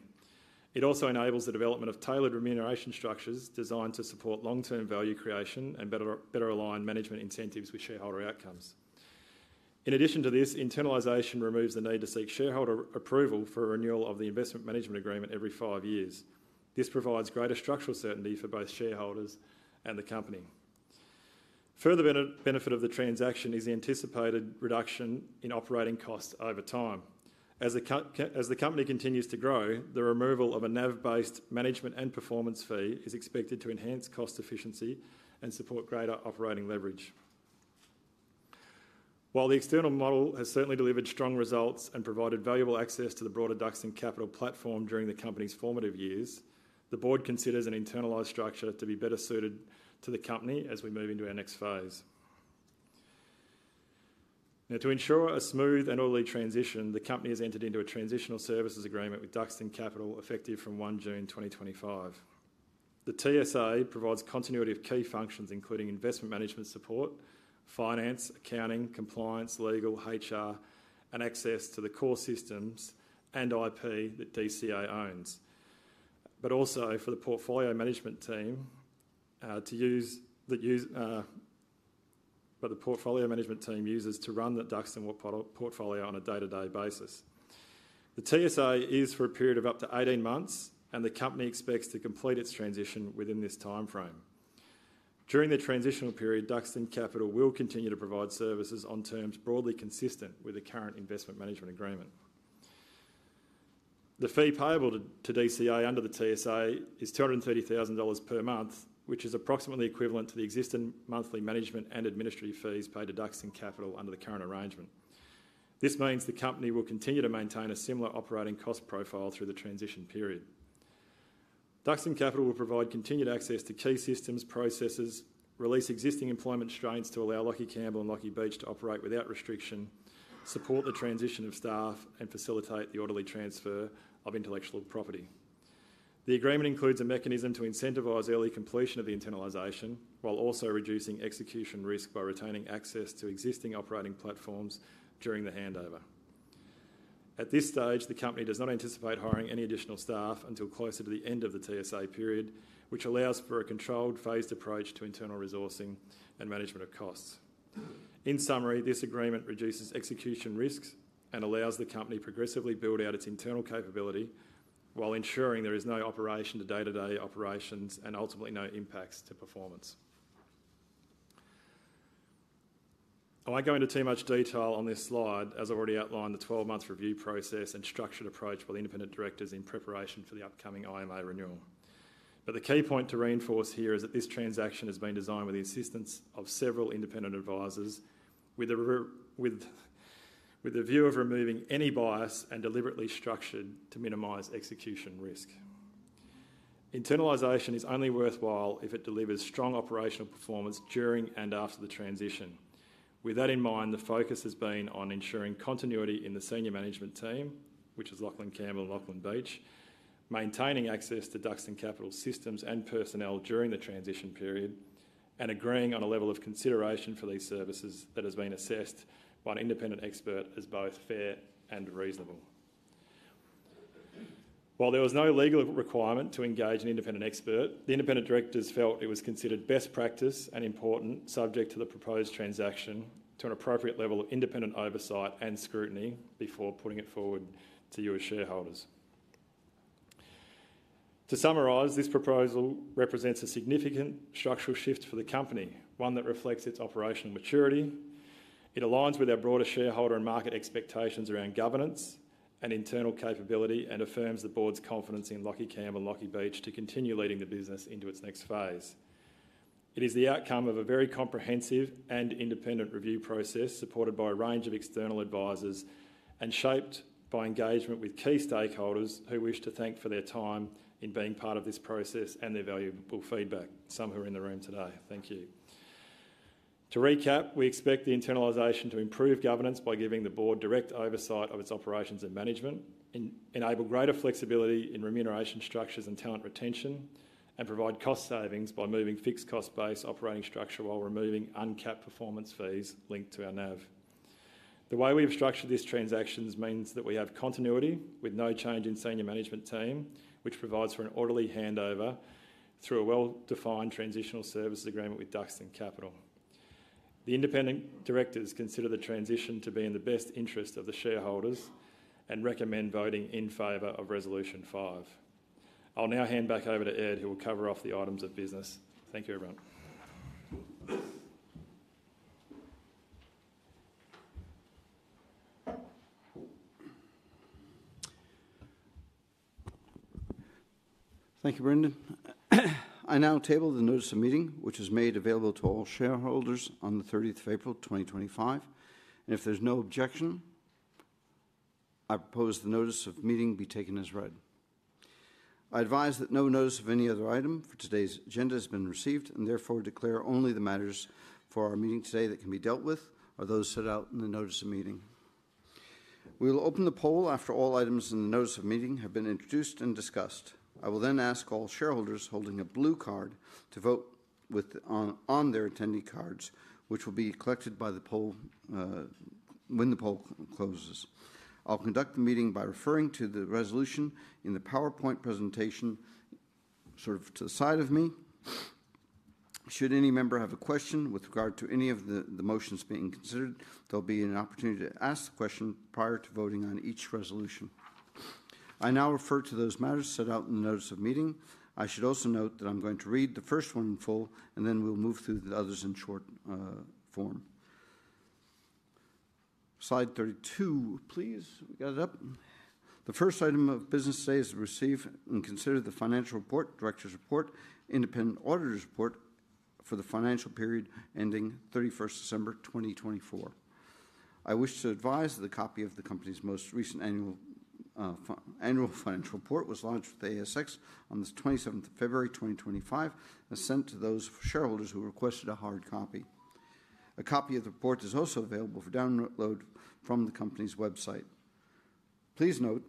It also enables the development of tailored remuneration structures designed to support long-term value creation and better align management incentives with shareholder outcomes. In addition to this, internalisation removes the need to seek shareholder approval for renewal of the investment management agreement every five years. This provides greater structural certainty for both shareholders and the company. A further benefit of the transaction is the anticipated reduction in operating costs over time. As the company continues to grow, the removal of a NAV-based management and performance fee is expected to enhance cost efficiency and support greater operating leverage. While the external model has certainly delivered strong results and provided valuable access to the broader Duxton Capital platform during the company's formative years, the board considers an internalised structure to be better suited to the company as we move into our next phase. Now, to ensure a smooth and orderly transition, the company has entered into a transitional services agreement with Duxton Capital effective from 1 June 2025. The TSA provides continuity of key functions, including investment management support, finance, accounting, compliance, legal, HR, and access to the core systems and IP that DCA owns, but also for the portfolio management team to use that the portfolio management team uses to run the Duxton portfolio on a day-to-day basis. The TSA is for a period of up to 18 months, and the company expects to complete its transition within this timeframe. During the transitional period, Duxton Capital will continue to provide services on terms broadly consistent with the current investment management agreement. The fee payable to DCA under the TSA is 230,000 dollars per month, which is approximately equivalent to the existing monthly management and administrative fees paid to Duxton Capital under the current arrangement. This means the company will continue to maintain a similar operating cost profile through the transition period. Duxton Capital will provide continued access to key systems, processes, release existing employment strains to allow Lockie Campbell and Lockie Beech to operate without restriction, support the transition of staff, and facilitate the orderly transfer of intellectual property. The agreement includes a mechanism to incentivize early completion of the internalization while also reducing execution risk by retaining access to existing operating platforms during the handover. At this stage, the company does not anticipate hiring any additional staff until closer to the end of the TSA period, which allows for a controlled phased approach to internal resourcing and management of costs. In summary, this agreement reduces execution risks and allows the company to progressively build out its internal capability while ensuring there is no interruption to day-to-day operations and ultimately no impacts to performance. I will not go into too much detail on this slide, as I have already outlined the 12-month review process and structured approach by the independent directors in preparation for the upcoming IMA renewal. The key point to reinforce here is that this transaction has been designed with the assistance of several independent advisors, with the view of removing any bias and deliberately structured to minimize execution risk. Internalization is only worthwhile if it delivers strong operational performance during and after the transition. With that in mind, the focus has been on ensuring continuity in the senior management team, which is Lachlan Campbell and Lachlan Beech, maintaining access to Duxton Capital's systems and personnel during the transition period, and agreeing on a level of consideration for these services that has been assessed by an independent expert as both fair and reasonable. While there was no legal requirement to engage an independent expert, the independent directors felt it was considered best practice and important, subject to the proposed transaction, to an appropriate level of independent oversight and scrutiny before putting it forward to your shareholders. To summarise, this proposal represents a significant structural shift for the company, one that reflects its operational maturity. It aligns with our broader shareholder and market expectations around governance and internal capability and affirms the board's confidence in Lockie Campbell and Lockie Beech to continue leading the business into its next phase. It is the outcome of a very comprehensive and independent review process supported by a range of external advisors and shaped by engagement with key stakeholders who we wish to thank for their time in being part of this process and their valuable feedback, some who are in the room today. Thank you. To recap, we expect the internalization to improve governance by giving the board direct oversight of its operations and management, enable greater flexibility in remuneration structures and talent retention, and provide cost savings by moving to a fixed cost-based operating structure while removing uncapped performance fees linked to our NAV. The way we have structured these transactions means that we have continuity with no change in senior management team, which provides for an orderly handover through a well-defined transitional services agreement with Duxton Capital. The independent directors consider the transition to be in the best interest of the shareholders and recommend voting in favor of resolution five. I'll now hand back over to Ed, who will cover off the items of business. Thank you, everyone. Thank you, Brendan. I now table the notice of meeting, which is made available to all shareholders on the 30th of April 2025. If there's no objection, I propose the notice of meeting be taken as read. I advise that no notice of any other item for today's agenda has been received and therefore declare only the matters for our meeting today that can be dealt with are those set out in the notice of meeting. We will open the poll after all items in the notice of meeting have been introduced and discussed. I will then ask all shareholders holding a blue card to vote on their attendee cards, which will be collected by the poll when the poll closes. I'll conduct the meeting by referring to the resolution in the PowerPoint presentation sort of to the side of me. Should any member have a question with regard to any of the motions being considered, there'll be an opportunity to ask the question prior to voting on each resolution. I now refer to those matters set out in the notice of meeting. I should also note that I'm going to read the first one in full, and then we'll move through the others in short form. Slide 32, please. We got it up. The first item of business today is to receive and consider the financial report, director's report, independent auditor's report for the financial period ending 31st December 2024. I wish to advise that the copy of the company's most recent annual financial report was lodged with ASX on the 27th of February 2025 and sent to those shareholders who requested a hard copy. A copy of the report is also available for download from the company's website. Please note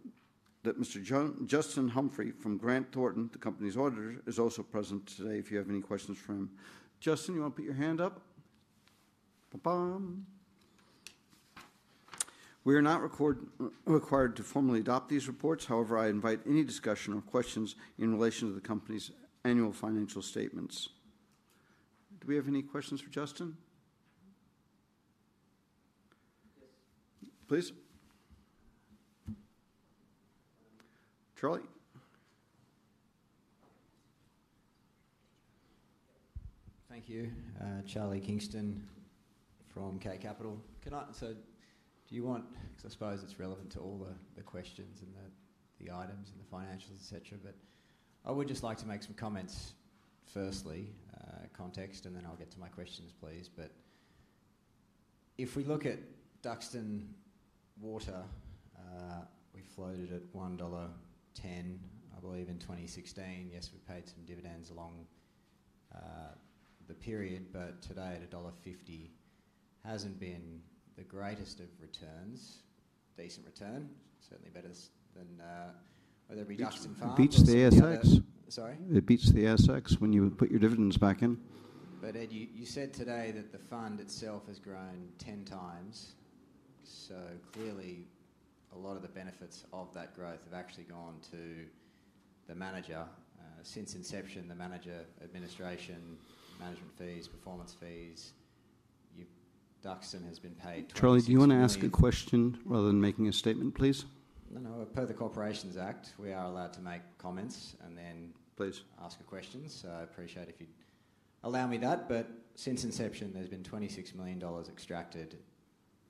that Mr. Justin Humphrey from Grant Thornton, the company's auditor, is also present today. If you have any questions for him, Justin, you want to put your hand up? We are not required to formally adopt these reports. However, I invite any discussion or questions in relation to the company's annual financial statements. Do we have any questions for Justin? Yes. Please. Charlie. Thank you. Charlie Kingston from K Capital. Can I—so do you want—because I suppose it's relevant to all the questions and the items and the financials, etc. But I would just like to make some comments, firstly, context, and then I'll get to my questions, please. But if we look at Duxton Water, we floated at 1.10 dollar, I believe, in 2016. Yes, we paid some dividends along the period, but today at dollar 1.50 hasn't been the greatest of returns. Decent return, certainly better than—were there be ducks in farms? The beach to the ASX. Sorry? The beach to the ASX when you put your dividends back in. But Ed, you said today that the fund itself has grown 10 times. Clearly, a lot of the benefits of that growth have actually gone to the manager since inception, the manager administration, management fees, performance fees. Duxton has been paid. Charlie, do you want to ask a question rather than making a statement, please? No, no. Per the Corporations Act, we are allowed to make comments and then ask a question. I appreciate if you'd allow me that. Since inception, there has been 26 million dollars extracted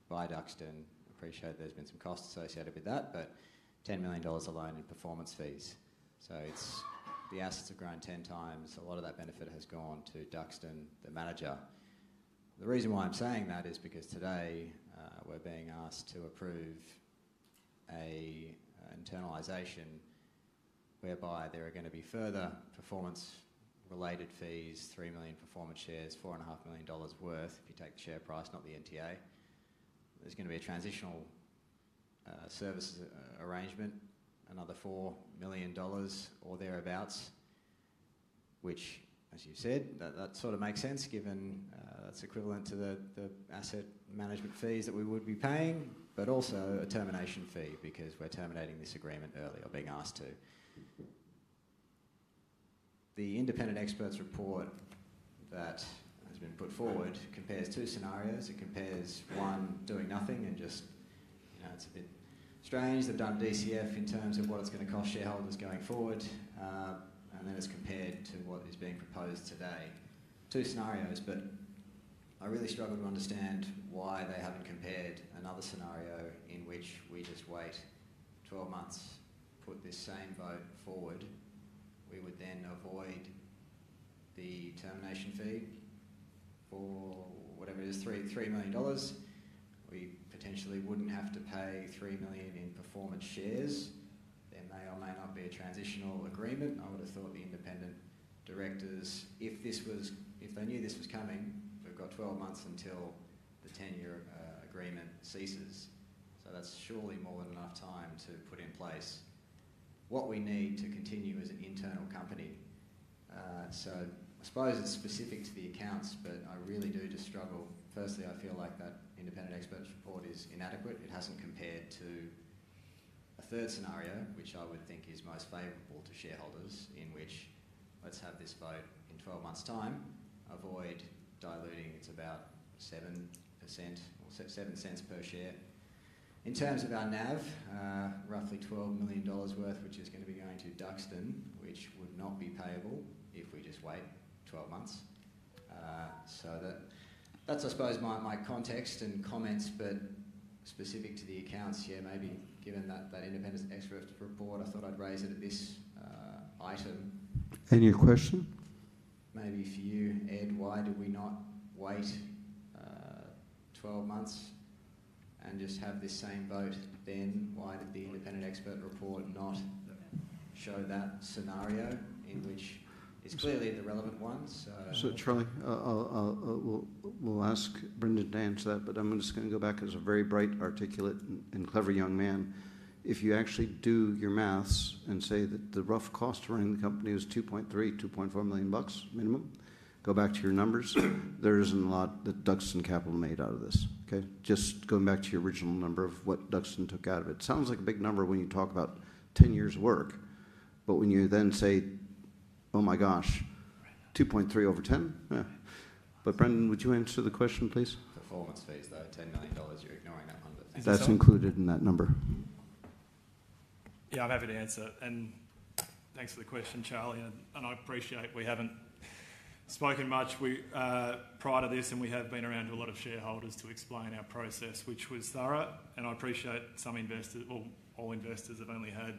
by Duxton. I appreciate there have been some costs associated with that, but 10 million dollars alone in performance fees. The assets have grown 10 times. A lot of that benefit has gone to Duxton, the manager. The reason why I'm saying that is because today we're being asked to approve an internalization whereby there are going to be further performance-related fees, 3 million performance shares, 4.5 million dollars worth, if you take the share price, not the NTA. There's going to be a transitional services arrangement, another 4 million dollars or thereabouts, which, as you said, that sort of makes sense given that's equivalent to the asset management fees that we would be paying, but also a termination fee because we're terminating this agreement early or being asked to. The independent expert's report that has been put forward compares two scenarios. It compares one doing nothing and just, you know, it's a bit strange. They've done DCF in terms of what it's going to cost shareholders going forward. Then it's compared to what is being proposed today. Two scenarios, but I really struggle to understand why they have not compared another scenario in which we just wait 12 months, put this same vote forward. We would then avoid the termination fee for whatever it is, 3 million dollars. We potentially would not have to pay 3 million in performance shares. There may or may not be a transitional agreement. I would have thought the independent directors, if they knew this was coming, they have got 12 months until the tenure agreement ceases. That is surely more than enough time to put in place what we need to continue as an internal company. I suppose it is specific to the accounts, but I really do just struggle. Firstly, I feel like that independent expert's report is inadequate. It has not compared to a third scenario, which I would think is most favorable to shareholders, in which let's have this vote in 12 months' time, avoid diluting it to about 7% or 7 cents per share. In terms of our NAV, roughly 12 million dollars worth, which is going to be going to Duxton, which would not be payable if we just wait 12 months. That is, I suppose, my context and comments, but specific to the accounts here, maybe given that independent expert report, I thought I would raise it at this item. Any question? Maybe for you, Ed, why did we not wait 12 months and just have this same vote then? Why did the independent expert report not show that scenario in which it is clearly the relevant one? Charlie, we will ask Brendan to answer that, but I am just going to go back as a very bright, articulate, and clever young man. If you actually do your maths and say that the rough cost to run the company was 2.3 million-2.4 million bucks minimum, go back to your numbers, there is not a lot that Duxton Capital made out of this. Okay? Just going back to your original number of what Duxton took out of it. Sounds like a big number when you talk about 10 years' work, but when you then say, "Oh my gosh, 2.3 million over 10 million?" Brendan, would you answer the question, please? Performance fees, though, AUD 10 million, you are ignoring that one, but thanks for that. That is included in that number. Yeah, I am happy to answer that. And thanks for the question, Charlie. I appreciate we have not spoken much prior to this, and we have been around a lot of shareholders to explain our process, which was thorough. I appreciate some investors, well, all investors have only had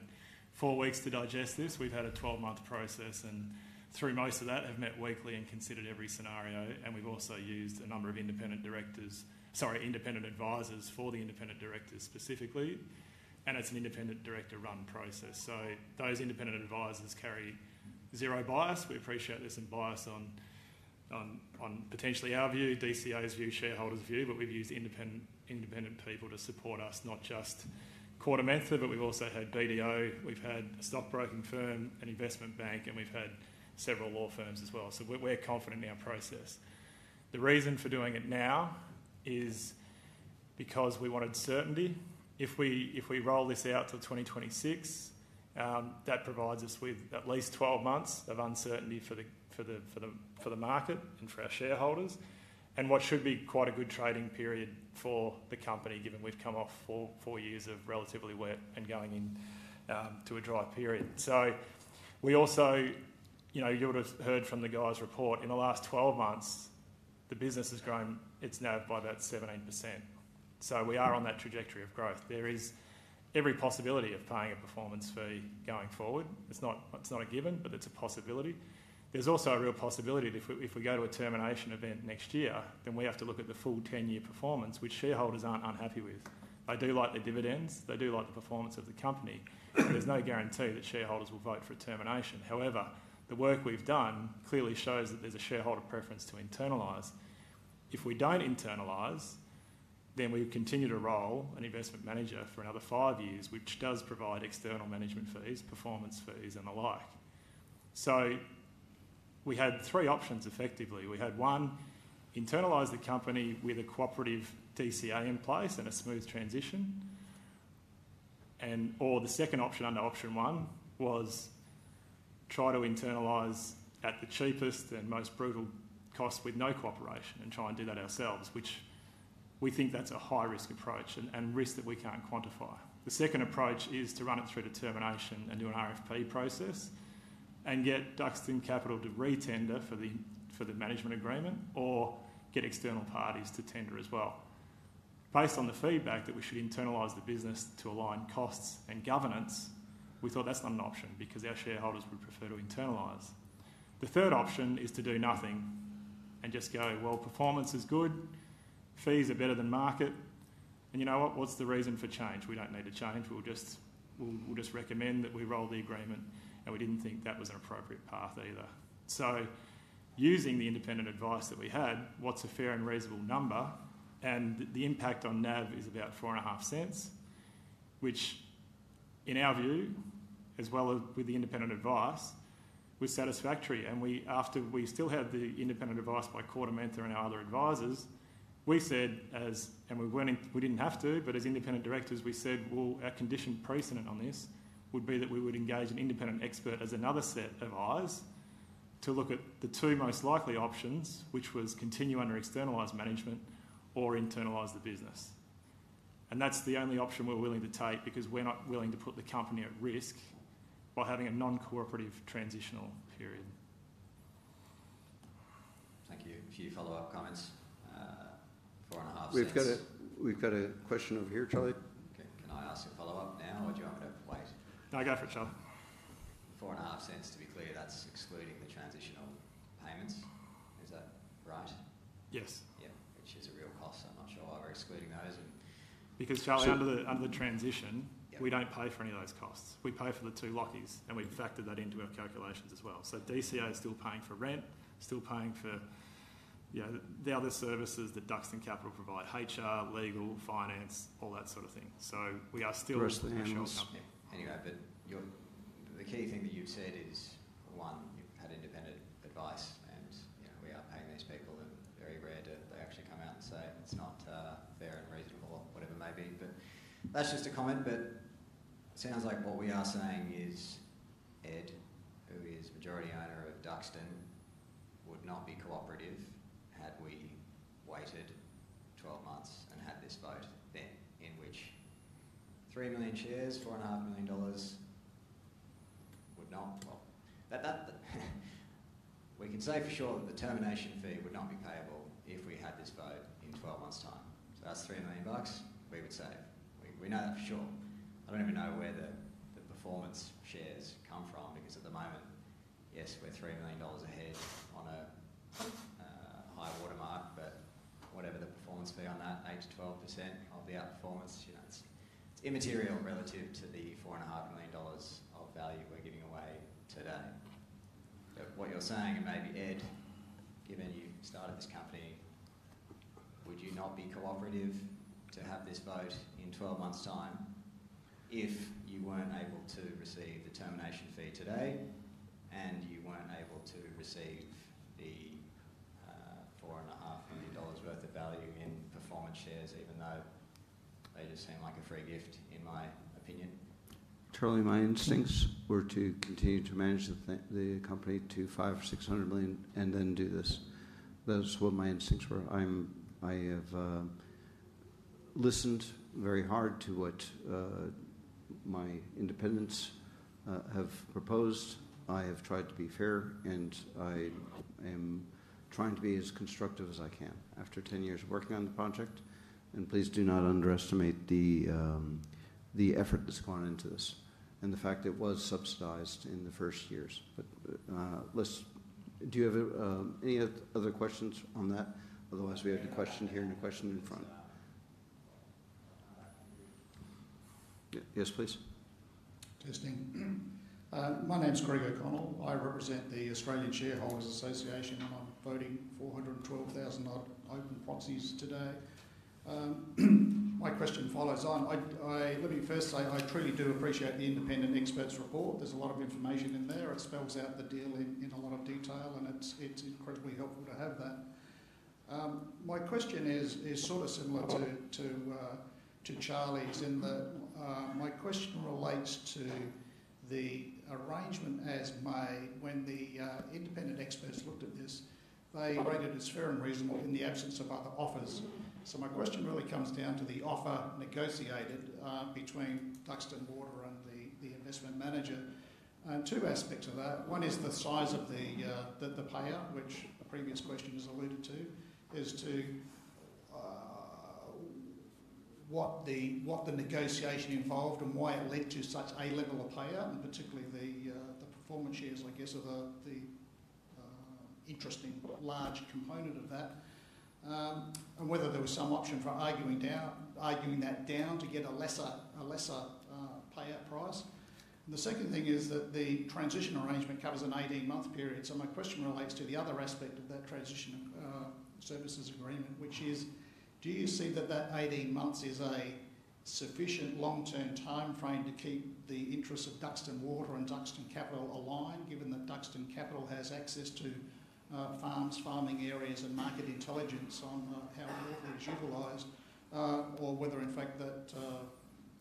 four weeks to digest this. We have had a 12-month process and through most of that have met weekly and considered every scenario. We have also used a number of independent directors, sorry, independent advisors for the independent directors specifically. It is an independent director-run process. Those independent advisors carry zero bias. We appreciate there is some bias on potentially our view, DCA's view, shareholders' view, but we have used independent people to support us, not just quartermentally, but we have also had BDO, we have had a stock-broking firm, an investment bank, and we have had several law firms as well. We are confident in our process. The reason for doing it now is because we wanted certainty. If we roll this out to 2026, that provides us with at least 12 months of uncertainty for the market and for our shareholders and what should be quite a good trading period for the company, given we've come off four years of relatively wet and going into a dry period. You would have heard from the guys' report, in the last 12 months, the business has grown, it's now by about 17%. We are on that trajectory of growth. There is every possibility of paying a performance fee going forward. It's not a given, but it's a possibility. There's also a real possibility that if we go to a termination event next year, then we have to look at the full 10-year performance, which shareholders aren't unhappy with. They do like the dividends. They do like the performance of the company. There's no guarantee that shareholders will vote for a termination. However, the work we've done clearly shows that there's a shareholder preference to internalise. If we don't internalise, then we continue to roll an investment manager for another five years, which does provide external management fees, performance fees, and the like. We had three options, effectively. We had one, internalise the company with a cooperative DCA in place and a smooth transition. And/or the second option under option one was try to internalise at the cheapest and most brutal cost with no cooperation and try and do that ourselves, which we think that's a high-risk approach and risk that we can't quantify. The second approach is to run it through to termination and do an RFP process and get Duxton Capital to re-tender for the management agreement or get external parties to tender as well. Based on the feedback that we should internalise the business to align costs and governance, we thought that's not an option because our shareholders would prefer to internalise. The third option is to do nothing and just go, "Well, performance is good. Fees are better than market." You know what? What's the reason for change? We don't need a change. We'll just recommend that we roll the agreement. We didn't think that was an appropriate path either. Using the independent advice that we had, what's a fair and reasonable number? The impact on NAV is about 0.045 cents, which in our view, as well as with the independent advice, was satisfactory. After we still had the independent advice by KordaMentha and our other advisors, we said, and we did not have to, but as independent directors, we said, "Our condition precedent on this would be that we would engage an independent expert as another set of eyes to look at the two most likely options, which was continue under externalized management or internalize the business." That is the only option we are willing to take because we are not willing to put the company at risk by having a non-cooperative transitional period. Thank you. A few follow-up comments. 0.045. We have got a question over here, Charlie. Can I ask a follow-up now, or do you want me to wait? No, go for it, Charlie. 0.045, to be clear, that is excluding the transitional payments. Is that right? Yes. Yeah, which is a real cost. I am not sure why we are excluding those. Because, Charlie, under the transition, we do not pay for any of those costs. We pay for the two Lockies, and we have factored that into our calculations as well. DCA is still paying for rent, still paying for the other services that Duxton Capital provide, HR, legal, finance, all that sort of thing. We are still a commercial company. Anyway, the key thing that you have said is, one, you have had independent advice, and we are paying these people, and very rare do they actually come out and say it is not fair and reasonable or whatever it may be. That is just a comment. It sounds like what we are saying is, Ed, who is majority owner of Duxton, would not be cooperative had we waited 12 months and had this vote then, in which 3 million shares, AUD 4.5 million would not—well, we can say for sure that the termination fee would not be payable if we had this vote in 12 months' time. That is 3 million bucks we would save. We know that for sure. I do not even know where the performance shares come from because at the moment, yes, we are 3 million dollars ahead on a high watermark, but whatever the performance fee on that, 8%-12% of the outperformance, it is immaterial relative to the 4.5 million dollars of value we are giving away today. What you're saying may be, Ed, given you started this company, would you not be cooperative to have this vote in 12 months' time if you were not able to receive the termination fee today and you were not able to receive the 4.5 million dollars worth of value in performance shares, even though they just seem like a free gift, in my opinion? Charlie, my instincts were to continue to manage the company to 500 million or 600 million and then do this. That is what my instincts were. I have listened very hard to what my independents have proposed. I have tried to be fair, and I am trying to be as constructive as I can after 10 years of working on the project. Please do not underestimate the effort that has gone into this and the fact it was subsidized in the first years. Do you have any other questions on that? Otherwise, we have a question here and a question in front. Yes, please. Justin. My name's Greg O'Connell. I represent the Australian Shareholders' Association, and I'm voting 412,000-odd open proxies today. My question follows on. Let me first say I truly do appreciate the independent expert's report. There's a lot of information in there. It spells out the deal in a lot of detail, and it's incredibly helpful to have that. My question is sort of similar to Charlie's, in that my question relates to the arrangement as made when the independent experts looked at this. They rated it as fair and reasonable in the absence of other offers. My question really comes down to the offer negotiated between Duxton Water and the investment manager. Two aspects of that. One is the size of the payer, which a previous question has alluded to, as to what the negotiation involved and why it led to such a level of payer, and particularly the performance shares, I guess, are the interesting large component of that, and whether there was some option for arguing that down to get a lesser payout price. The second thing is that the transition arrangement covers an 18-month period. My question relates to the other aspect of that transition services agreement, which is, do you see that that 18 months is a sufficient long-term timeframe to keep the interests of Duxton Water and Duxton Capital aligned, given that Duxton Capital has access to farms, farming areas, and market intelligence on how water is utilised, or whether, in fact, that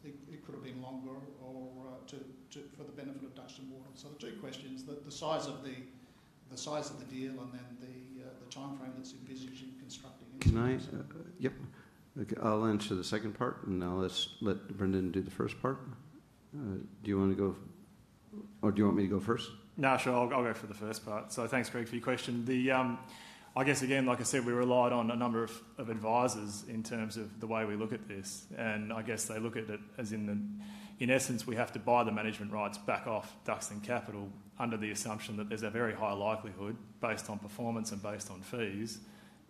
it could have been longer for the benefit of Duxton Water? The two questions, the size of the deal and then the timeframe that's envisaged in constructing it. Can I? Yep. Okay. I'll answer the second part, and now let's let Brendan do the first part. Do you want to go, or do you want me to go first? No, sure. I'll go for the first part. Thanks, Greg, for your question. I guess, again, like I said, we relied on a number of advisors in terms of the way we look at this. I guess they look at it as, in essence, we have to buy the management rights back off Duxton Capital under the assumption that there's a very high likelihood, based on performance and based on fees,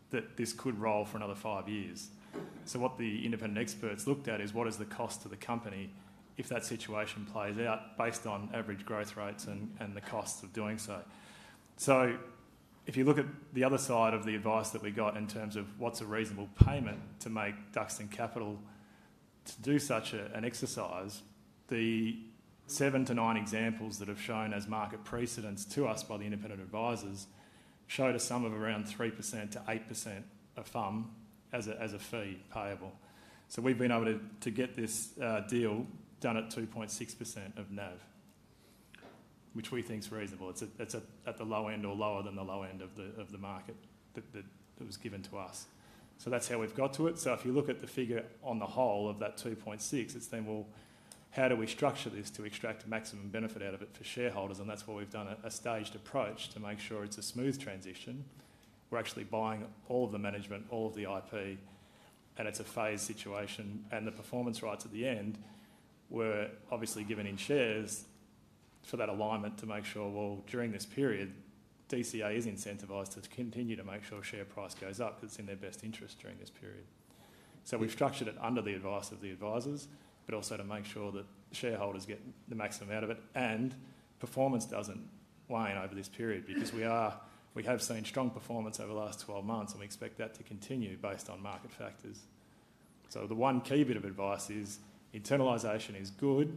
that this could roll for another five years. What the independent experts looked at is, what is the cost to the company if that situation plays out based on average growth rates and the cost of doing so? If you look at the other side of the advice that we got in terms of what's a reasonable payment to make Duxton Capital to do such an exercise, the seven to nine examples that have shown as market precedents to us by the independent advisors showed a sum of around 3%-8% a thumb as a fee payable. We've been able to get this deal done at 2.6% of NAV, which we think is reasonable. It's at the low end or lower than the low end of the market that was given to us. That's how we've got to it. If you look at the figure on the whole of that 2.6%, it's then, well, how do we structure this to extract maximum benefit out of it for shareholders? That's why we've done a staged approach to make sure it's a smooth transition. We're actually buying all of the management, all of the IP, and it's a phased situation. The performance rights at the end were obviously given in shares for that alignment to make sure, well, during this period, DCA is incentivized to continue to make sure share price goes up because it's in their best interest during this period. We have structured it under the advice of the advisors, but also to make sure that shareholders get the maximum out of it and performance does not wane over this period because we have seen strong performance over the last 12 months, and we expect that to continue based on market factors. The one key bit of advice is internalization is good,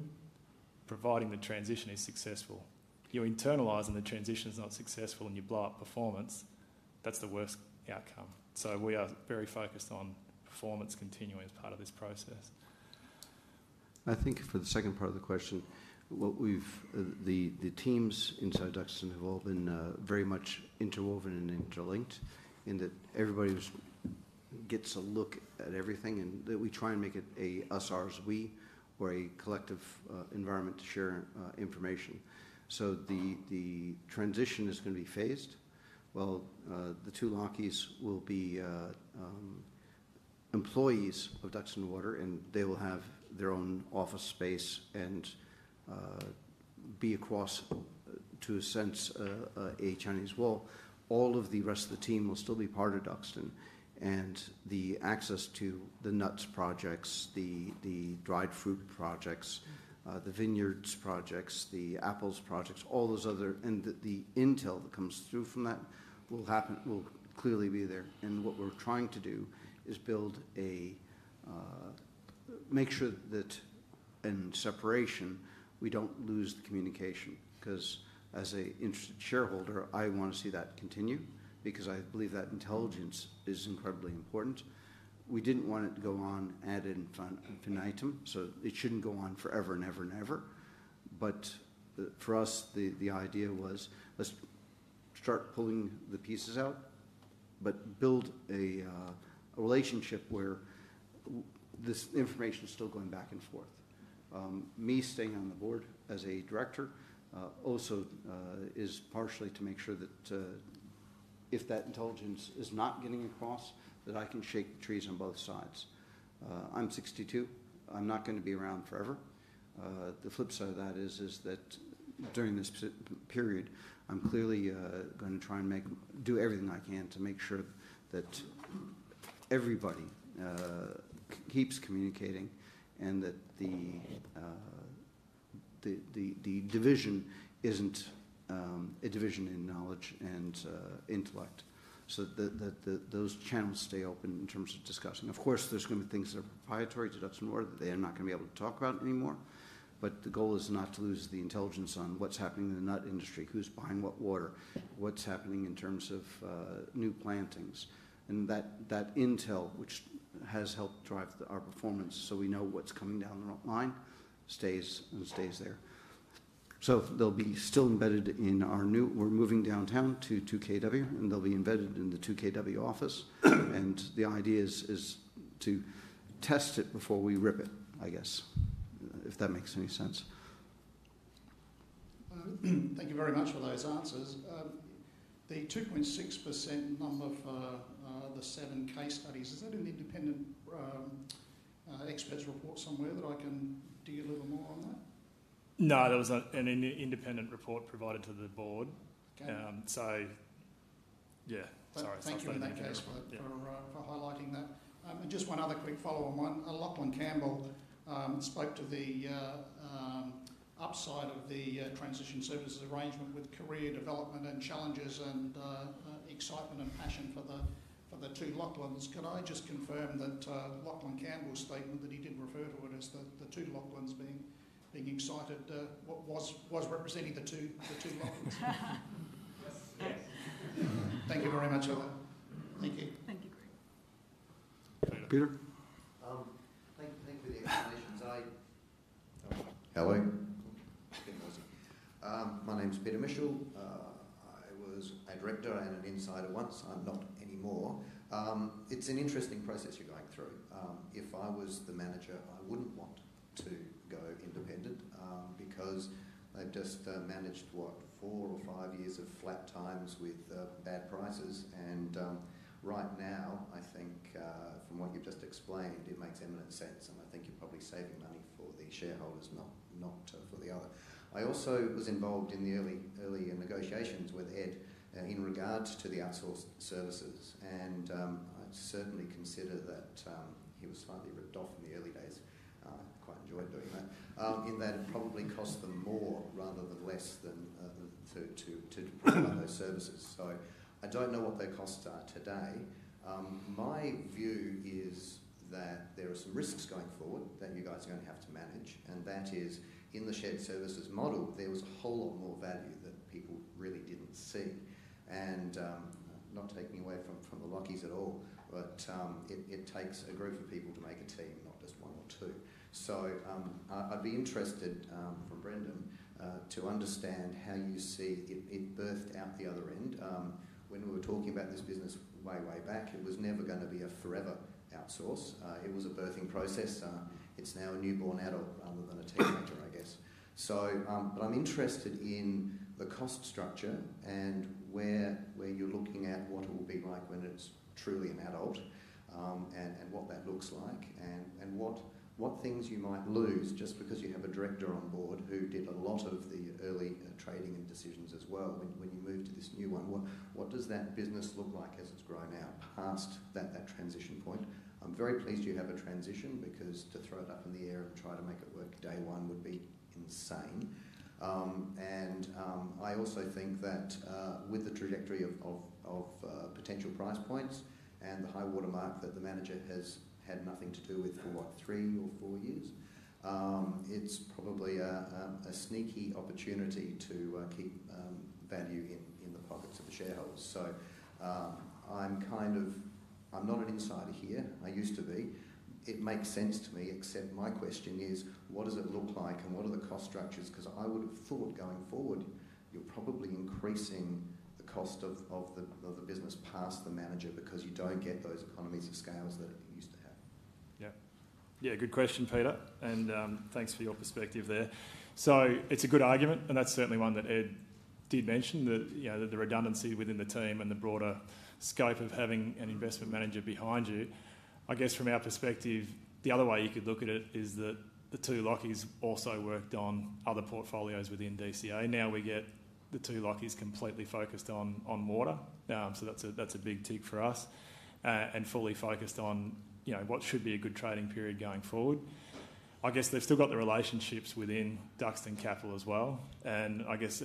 providing the transition is successful. If you are internalizing and the transition is not successful and you blow up performance, that is the worst outcome. We are very focused on performance continuing as part of this process. I think for the second part of the question, the teams inside Duxton have all been very much interwoven and interlinked in that everybody gets a look at everything and that we try and make it a us, ours, we or a collective environment to share information. The transition is going to be phased. The two Lockies will be employees of Duxton Water, and they will have their own office space and be across, to a sense, a Chinese wall. All of the rest of the team will still be part of Duxton. The access to the nuts projects, the dried fruit projects, the vineyards projects, the apples projects, all those other, and the intel that comes through from that will clearly be there. What we are trying to do is make sure that in separation, we do not lose the communication because, as an interested shareholder, I want to see that continue because I believe that intelligence is incredibly important. We did not want it to go on ad infinitum, so it should not go on forever and ever and ever. For us, the idea was, let's start pulling the pieces out, but build a relationship where this information is still going back and forth. Me staying on the board as a director also is partially to make sure that if that intelligence is not getting across, I can shake the trees on both sides. I'm 62. I'm not going to be around forever. The flip side of that is that during this period, I'm clearly going to try and do everything I can to make sure that everybody keeps communicating and that the division isn't a division in knowledge and intellect. Those channels stay open in terms of discussing. Of course, there are going to be things that are proprietary to Duxton Water that they're not going to be able to talk about anymore. The goal is not to lose the intelligence on what's happening in the nut industry, who's buying what water, what's happening in terms of new plantings. That intel, which has helped drive our performance so we know what's coming down the line, stays and stays there. They'll still be embedded in our new, we're moving downtown to 2KW, and they'll be embedded in the 2KW office. The idea is to test it before we rip it, I guess, if that makes any sense. Thank you very much for those answers. The 2.6% number for the seven case studies, is that an independent expert's report somewhere that I can dig a little more on that? No, that was an independent report provided to the board. Yeah. Sorry. Thank you in that case for highlighting that. Just one other quick follow-up on one. A Lachlan Campbell spoke to the upside of the transition services arrangement with career development and challenges and excitement and passion for the two Lachlans. Could I just confirm that Lachlan Campbell's statement that he did refer to it as the two Lachlans being excited was representing the two Lachlans? Yes. Thank you very much for that. Thank you. Thank you, Greg. Peter. Thank you for the explanations. Hello. My name's Peter Michell. I was a director and an insider once. I'm not anymore. It's an interesting process you're going through. If I was the manager, I wouldn't want to go independent because I've just managed, what, four or five years of flat times with bad prices. And right now, I think, from what you've just explained, it makes eminent sense. And I think you're probably saving money for the shareholders, not for the other. I also was involved in the early negotiations with Ed in regard to the outsourced services. I certainly consider that he was slightly ripped off in the early days. I quite enjoyed doing that, in that it probably costs them more rather than less than to provide those services. I do not know what their costs are today. My view is that there are some risks going forward that you guys are going to have to manage. That is, in the shared services model, there was a whole lot more value that people really did not see. Not taking away from the Lockies at all, but it takes a group of people to make a team, not just one or two. I would be interested, from Brendan, to understand how you see it birthed out the other end. When we were talking about this business way, way back, it was never going to be a forever outsource. It was a birthing process. It is now a newborn adult rather than a teenager, I guess. I am interested in the cost structure and where you are looking at what it will be like when it is truly an adult and what that looks like and what things you might lose just because you have a director on board who did a lot of the early trading and decisions as well when you moved to this new one. What does that business look like as it has grown out past that transition point? I am very pleased you have a transition because to throw it up in the air and try to make it work day one would be insane. I also think that with the trajectory of potential price points and the high watermark that the manager has had nothing to do with for, what, three or four years, it's probably a sneaky opportunity to keep value in the pockets of the shareholders. I'm kind of, I'm not an insider here. I used to be. It makes sense to me. Except my question is, what does it look like and what are the cost structures? I would have thought going forward you're probably increasing the cost of the business past the manager because you don't get those economies of scale that you used to have. Yeah. Good question, Peter. Thanks for your perspective there. It's a good argument, and that's certainly one that Ed did mention, the redundancy within the team and the broader scope of having an investment manager behind you. I guess from our perspective, the other way you could look at it is that the two Lockies also worked on other portfolios within DCA. Now we get the two Lockies completely focused on water. That is a big tick for us and fully focused on what should be a good trading period going forward. I guess they've still got the relationships within Duxton Capital as well. I guess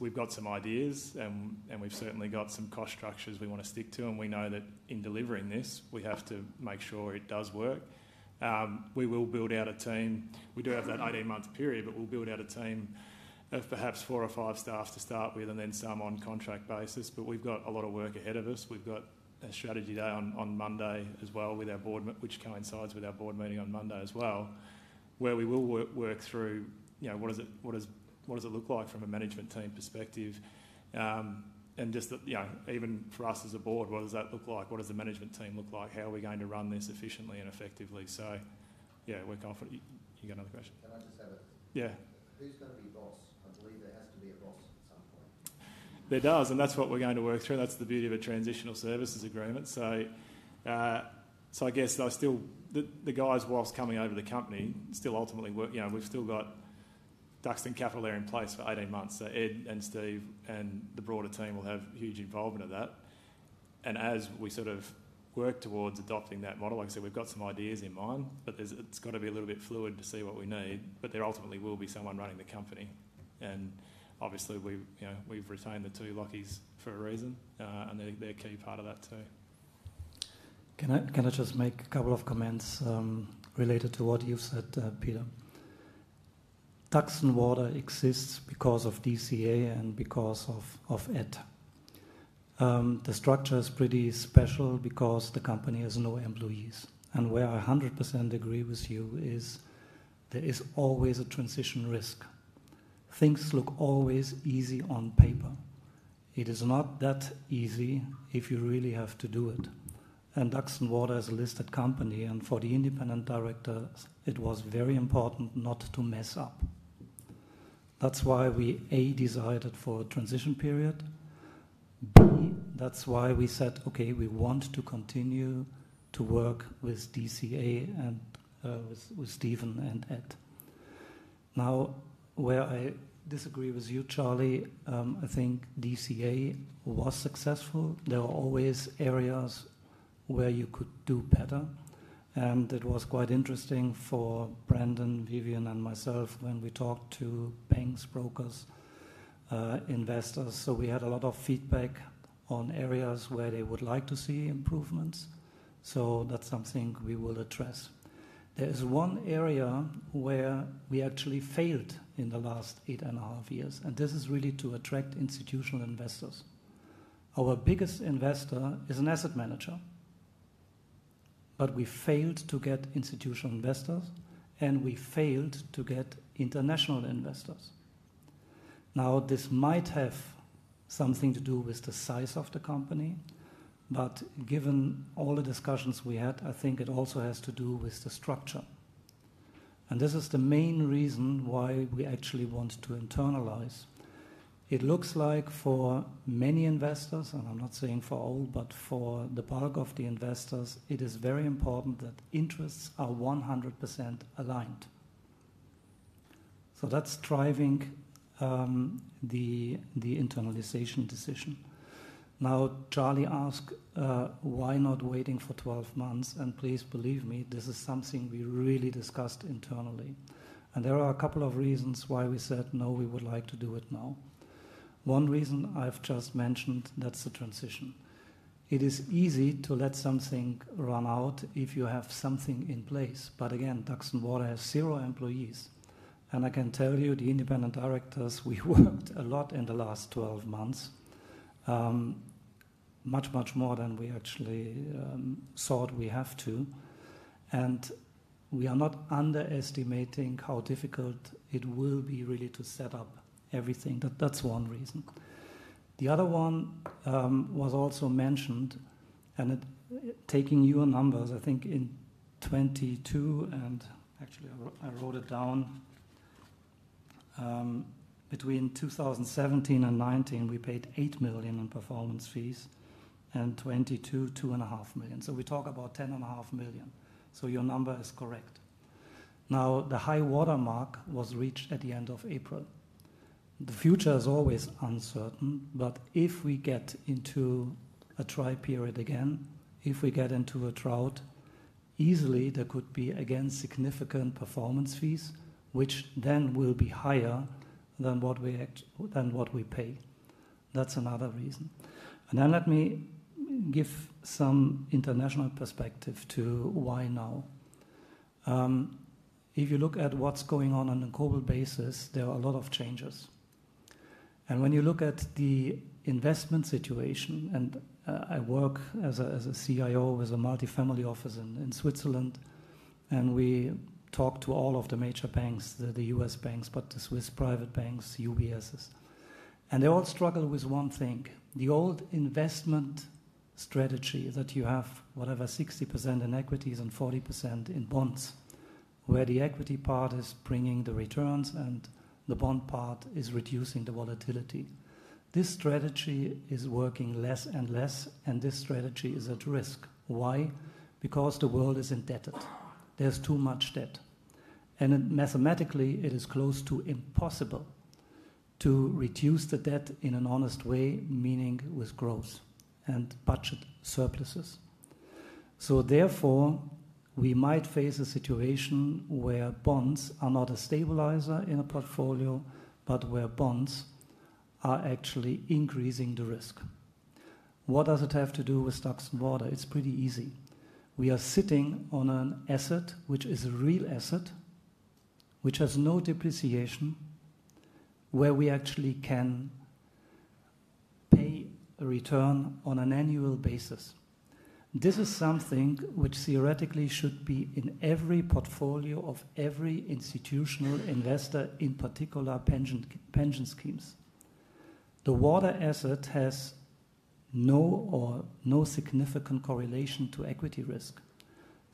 we have some ideas, and we've certainly got some cost structures we want to stick to. We know that in delivering this, we have to make sure it does work. We will build out a team. We do have that 18-month period, but we'll build out a team of perhaps four or five staff to start with and then some on contract basis. We've got a lot of work ahead of us. We've got a strategy day on Monday as well with our board, which coincides with our board meeting on Monday as well, where we will work through what does it look like from a management team perspective. And just even for us as a board, what does that look like? What does the management team look like? How are we going to run this efficiently and effectively? Yeah, we're confident. You got another question? Can I just have a? Yeah. Who's going to be boss? I believe there has to be a boss at some point. There does. That's what we're going to work through. That's the beauty of a transitional services agreement. I guess the guys, whilst coming over the company, still ultimately work we've still got Duxton Capital there in place for 18 months. Ed and Steve and the broader team will have huge involvement of that. As we sort of work towards adopting that model, like I said, we've got some ideas in mind, but it's got to be a little bit fluid to see what we need. There ultimately will be someone running the company. Obviously, we've retained the two Lockies for a reason, and they're a key part of that too. Can I just make a couple of comments related to what you've said, Peter? Duxton Water exists because of DCA and because of Ed. The structure is pretty special because the company has no employees. Where I 100% agree with you is there is always a transition risk. Things look always easy on paper. It is not that easy if you really have to do it. Duxton Water is a listed company. For the independent director, it was very important not to mess up. That is why we, A, decided for a transition period. B, that is why we said, "Okay, we want to continue to work with DCA and with Stephen and Ed." Now, where I disagree with you, Charlie, I think DCA was successful. There were always areas where you could do better. It was quite interesting for Brendan, Vivienne, and myself when we talked to banks, brokers, investors. We had a lot of feedback on areas where they would like to see improvements. That is something we will address. There is one area where we actually failed in the last eight and a half years. This is really to attract institutional investors. Our biggest investor is an asset manager. We failed to get institutional investors, and we failed to get international investors. Now, this might have something to do with the size of the company. Given all the discussions we had, I think it also has to do with the structure. This is the main reason why we actually want to internalise. It looks like for many investors, and I'm not saying for all, but for the bulk of the investors, it is very important that interests are 100% aligned. That's driving the internalisation decision. Charlie asked, "Why not waiting for 12 months?" Please believe me, this is something we really discussed internally. There are a couple of reasons why we said, "No, we would like to do it now." One reason I've just mentioned, that's the transition. It is easy to let something run out if you have something in place. Again, Duxton Water has zero employees. I can tell you, the independent directors, we worked a lot in the last 12 months, much, much more than we actually thought we have to. We are not underestimating how difficult it will be really to set up everything. That is one reason. The other one was also mentioned, and taking your numbers, I think in 2022, and actually, I wrote it down, between 2017 and 2019, we paid 8 million in performance fees and in 2022, 2.5 million. We talk about 10.5 million. Your number is correct. The high watermark was reached at the end of April. The future is always uncertain. If we get into a dry period again, if we get into a drought, easily, there could be, again, significant performance fees, which then will be higher than what we pay. That is another reason. Let me give some international perspective to why now. If you look at what is going on on a global basis, there are a lot of changes. When you look at the investment situation, and I work as a CIO with a multi-family office in Switzerland, we talk to all of the major banks, the U.S. banks, but the Swiss private banks, UBSs. They all struggle with one thing. The old investment strategy that you have, whatever, 60% in equities and 40% in bonds, where the equity part is bringing the returns and the bond part is reducing the volatility. This strategy is working less and less, and this strategy is at risk. Why? Because the world is indebted. There is too much debt. Mathematically, it is close to impossible to reduce the debt in an honest way, meaning with growth and budget surpluses. Therefore, we might face a situation where bonds are not a stabilizer in a portfolio, but where bonds are actually increasing the risk. What does it have to do with Duxton Water? It's pretty easy. We are sitting on an asset, which is a real asset, which has no depreciation, where we actually can pay a return on an annual basis. This is something which theoretically should be in every portfolio of every institutional investor, in particular, pension schemes. The water asset has no significant correlation to equity risk.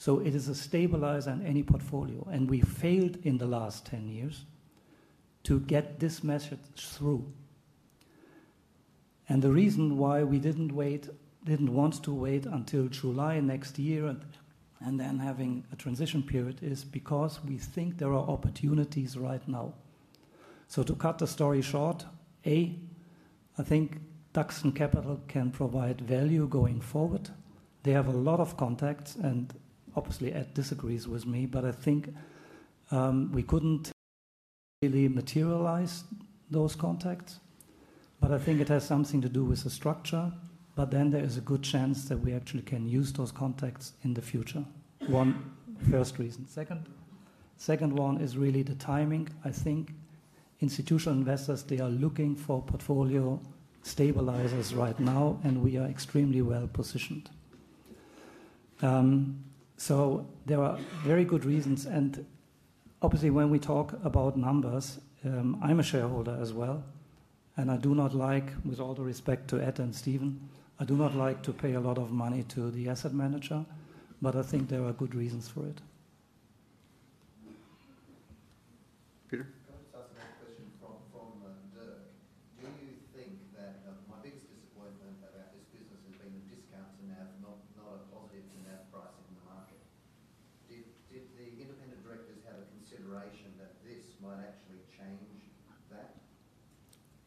It is a stabilizer in any portfolio. We failed in the last 10 years to get this message through. The reason why we didn't want to wait until July next year and then having a transition period is because we think there are opportunities right now. To cut the story short, A, I think Duxton Capital can provide value going forward. They have a lot of contacts, and obviously, Ed disagrees with me, but I think we could not really materialize those contacts. I think it has something to do with the structure. There is a good chance that we actually can use those contacts in the future. One first reason. The second one is really the timing. I think institutional investors are looking for portfolio stabilizers right now, and we are extremely well positioned. There are very good reasons. Obviously, when we talk about numbers, I am a shareholder as well. I do not like, with all the respect to Ed and Stephen, I do not like to pay a lot of money to the asset manager. I think there are good reasons for it. Peter? Can I just ask another question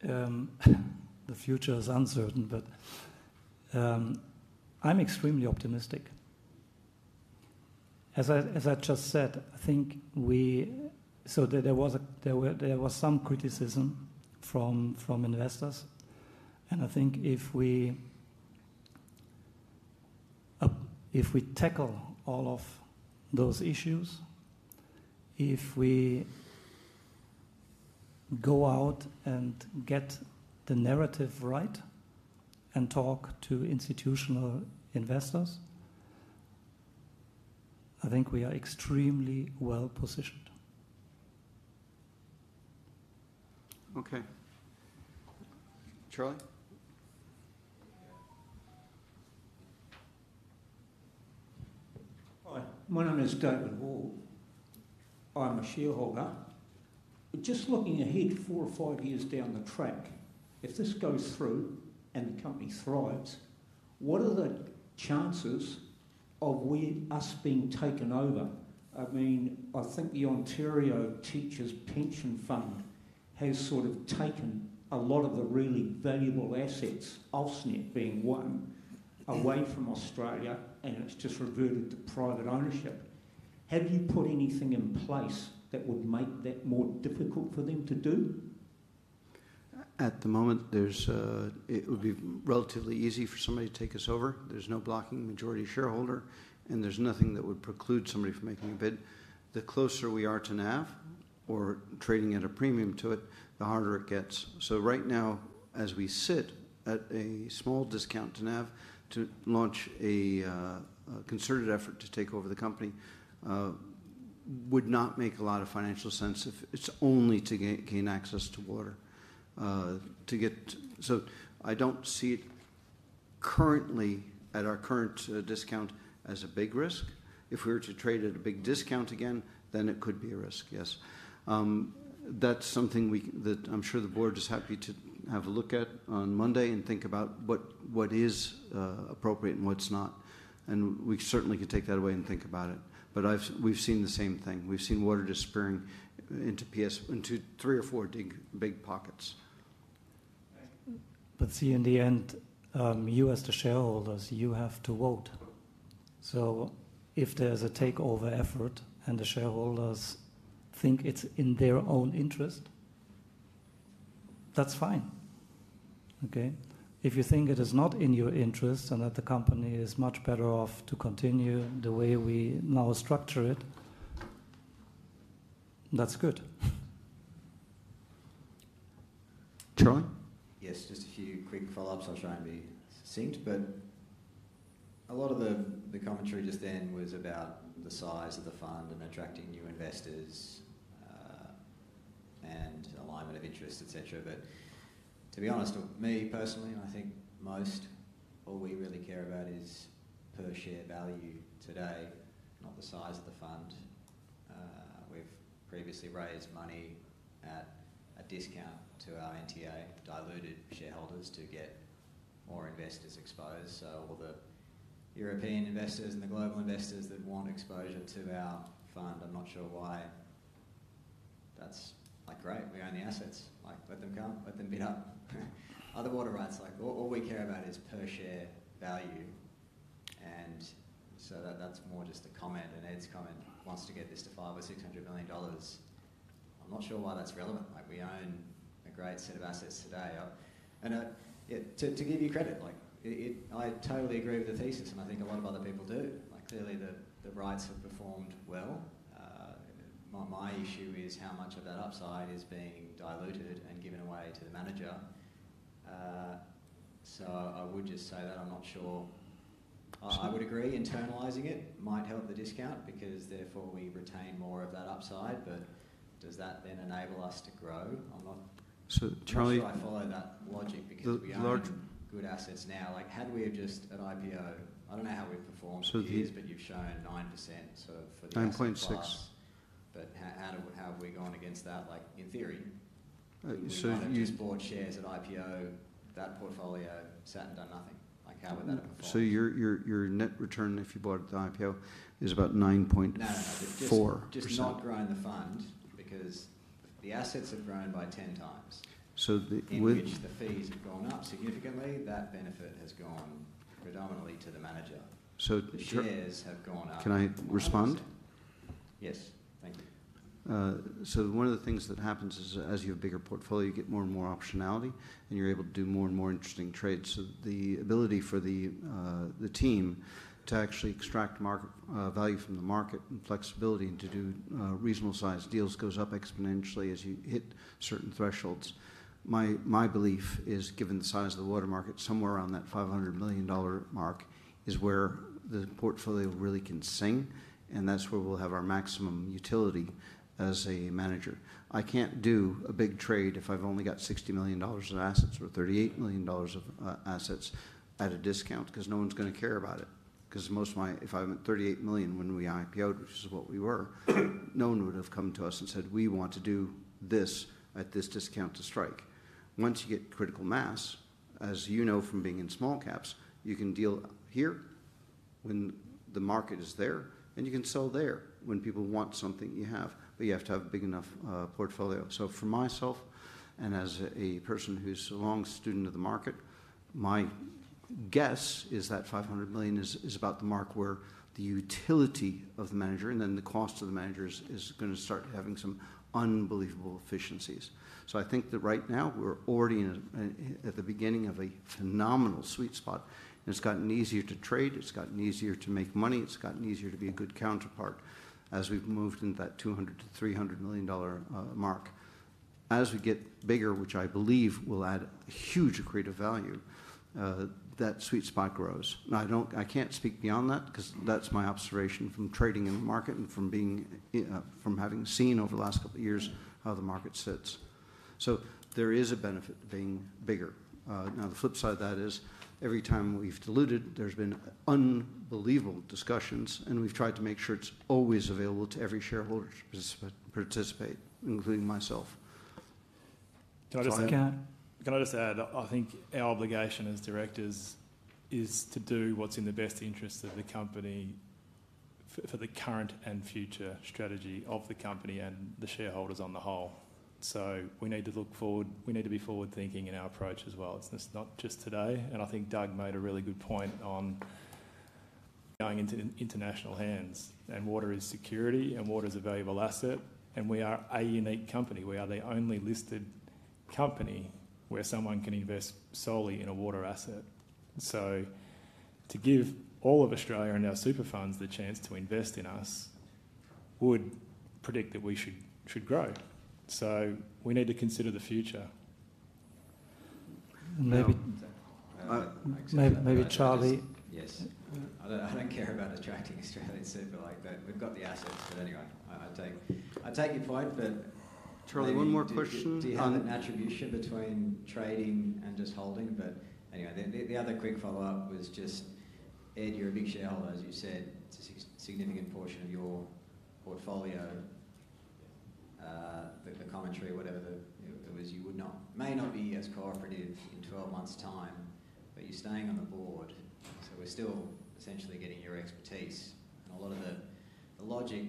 from Dirk? Do you think that my biggest disappointment about this business has been the discounts and now not a positive to now pricing in the market? Did the independent directors have a consideration that this might actually change that? The future is uncertain, but I'm extremely optimistic. As I just said, I think we, so there was some criticism from investors. I think if we tackle all of those issues, if we go out and get the narrative right and talk to institutional investors, I think we are extremely well positioned. Okay. Charlie? Hi. My name is David Hall. I'm a shareholder. Just looking ahead four or five years down the track, if this goes through and the company thrives, what are the chances of us being taken over? I mean, I think the Ontario Teachers Pension Fund has sort of taken a lot of the really valuable assets, Offshore Net being one, away from Australia, and it is just reverted to private ownership. Have you put anything in place that would make that more difficult for them to do? At the moment, it would be relatively easy for somebody to take us over. There is no blocking majority shareholder, and there is nothing that would preclude somebody from making a bid. The closer we are to NAV or trading at a premium to it, the harder it gets. Right now, as we sit at a small discount to NAV, to launch a concerted effort to take over the company would not make a lot of financial sense if it is only to gain access to water. I do not see it currently at our current discount as a big risk. If we were to trade at a big discount again, then it could be a risk, yes. That is something that I am sure the board is happy to have a look at on Monday and think about what is appropriate and what is not. We certainly could take that away and think about it. We have seen the same thing. We have seen water disappearing into three or four big pockets. In the end, you as the shareholders, you have to vote. If there is a takeover effort and the shareholders think it is in their own interest, that is fine. If you think it is not in your interest and that the company is much better off to continue the way we now structure it, that is good. Charlie? Yes, just a few quick follow-ups. I will try and be succinct. A lot of the commentary just then was about the size of the fund and attracting new investors and alignment of interest, etc. To be honest, me personally, and I think most, all we really care about is per-share value today, not the size of the fund. We've previously raised money at a discount to our NTA, diluted shareholders to get more investors exposed. All the European investors and the global investors that want exposure to our fund, I'm not sure why that's like, "Great, we own the assets. Let them come. Let them beat up." Other water rights, all we care about is per-share value. That's more just a comment. Ed's comment wants to get this to 500 million or 600 million dollars. I'm not sure why that's relevant. We own a great set of assets today. To give you credit, I totally agree with the thesis, and I think a lot of other people do. Clearly, the rights have performed well. My issue is how much of that upside is being diluted and given away to the manager. I would just say that I'm not sure. I would agree internalizing it might help the discount because therefore we retain more of that upside. Does that then enable us to grow? I'm not sure I follow that logic because we own good assets now. Had we just at IPO, I don't know how we've performed for years, but you've shown 9% for the last five. 9.6%. How have we gone against that in theory? You said you used board shares at IPO, that portfolio sat and done nothing. How would that have performed? Your net return if you bought at the IPO is about 9.4%. No, no, just not growing the fund because the assets have grown by 10 times, and the fees have gone up significantly. That benefit has gone predominantly to the manager. The shares have gone up. Can I respond? Yes. Thank you. One of the things that happens is as you have a bigger portfolio, you get more and more optionality, and you are able to do more and more interesting trades. The ability for the team to actually extract value from the market and flexibility and to do reasonable-sized deals goes up exponentially as you hit certain thresholds. My belief is given the size of the water market, somewhere around that 500 million dollar mark is where the portfolio really can sing, and that is where we will have our maximum utility as a manager. I can't do a big trade if I've only got 60 million dollars of assets or 38 million dollars of assets at a discount because no one's going to care about it. Because most of my, if I went 38 million when we IPOed, which is what we were, no one would have come to us and said, "We want to do this at this discount to strike." Once you get critical mass, as you know from being in small caps, you can deal here when the market is there, and you can sell there when people want something you have, but you have to have a big enough portfolio. For myself and as a person who's a long student of the market, my guess is that 500 million is about the mark where the utility of the manager and then the cost of the manager is going to start having some unbelievable efficiencies. I think that right now we're already at the beginning of a phenomenal sweet spot. It's gotten easier to trade. It's gotten easier to make money. It's gotten easier to be a good counterpart as we've moved into that 200 million-300 million dollar mark. As we get bigger, which I believe will add a huge creative value, that sweet spot grows. I can't speak beyond that because that's my observation from trading in the market and from having seen over the last couple of years how the market sits. There is a benefit to being bigger. Now, the flip side of that is every time we've diluted, there's been unbelievable discussions, and we've tried to make sure it's always available to every shareholder to participate, including myself. Can I just add? I think our obligation as directors is to do what's in the best interest of the company for the current and future strategy of the company and the shareholders on the whole. We need to look forward. We need to be forward-thinking in our approach as well. It's not just today. I think Dirk made a really good point on going into international hands. Water is security, and water is a valuable asset. We are a unique company. We are the only listed company where someone can invest solely in a water asset. To give all of Australia and our super funds the chance to invest in us would predict that we should grow. We need to consider the future. Maybe Charlie? Yes. I do not care about attracting Australian super like that. We have got the assets. Anyway, I take your point, but. Charlie, one more question. Do you have an attribution between trading and just holding? Anyway, the other quick follow-up was just Ed, you are a big shareholder, as you said, a significant portion of your portfolio. The commentary, whatever it was, you may not be as cooperative in 12 months' time, but you are staying on the board. We are still essentially getting your expertise. A lot of the logic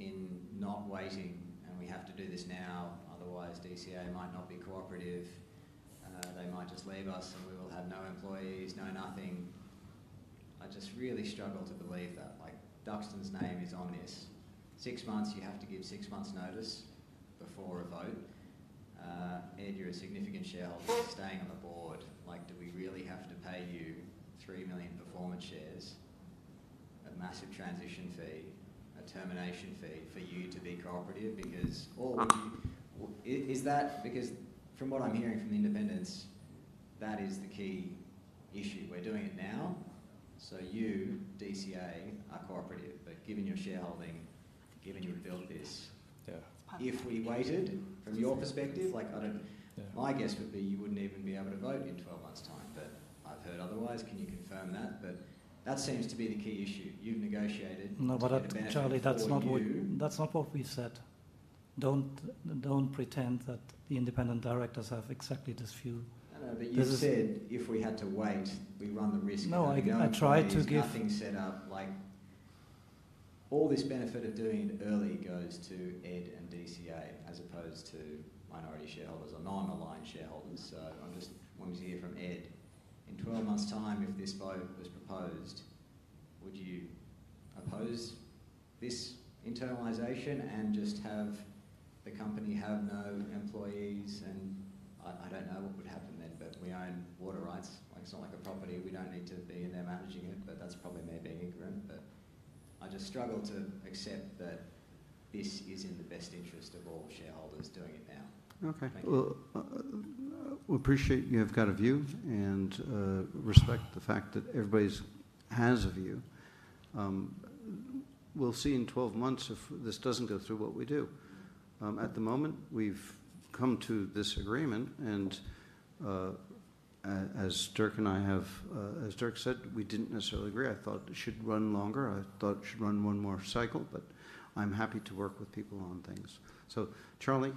in not waiting, and we have to do this now, otherwise DCA might not be cooperative. They might just leave us, and we will have no employees, no nothing. I just really struggle to believe that. Duxton's name is on this. Six months, you have to give six months' notice before a vote. Ed, you're a significant shareholder staying on the board. Do we really have to pay you 3 million performance shares, a massive transition fee, a termination fee for you to be cooperative? Because is that because from what I'm hearing from the independents, that is the key issue. We're doing it now. You, DCA, are cooperative. Given your shareholding, given you've built this, if we waited, from your perspective, my guess would be you wouldn't even be able to vote in 12 months' time. I've heard otherwise. Can you confirm that? That seems to be the key issue. You've negotiated. No, but Charlie, that's not what we said. Don't pretend that the independent directors have exactly this view. I know, but you said if we had to wait, we run the risk of nothing set up. All this benefit of doing it early goes to Ed and DCA as opposed to minority shareholders or non-aligned shareholders. I just wanted to hear from Ed. In 12 months' time, if this vote was proposed, would you oppose this internalization and just have the company have no employees? I don't know what would happen then, but we own water rights. It's not like a property. We don't need to be in there managing it, but that's probably me being ignorant. I just struggle to accept that this is in the best interest of all shareholders doing it now. Okay. We appreciate you have got a view and respect the fact that everybody has a view. We'll see in 12 months if this doesn't go through what we do. At the moment, we've come to this agreement. As Dirk and I have, as Dirk said, we didn't necessarily agree. I thought it should run longer. I thought it should run one more cycle, but I'm happy to work with people on things. So Charlie,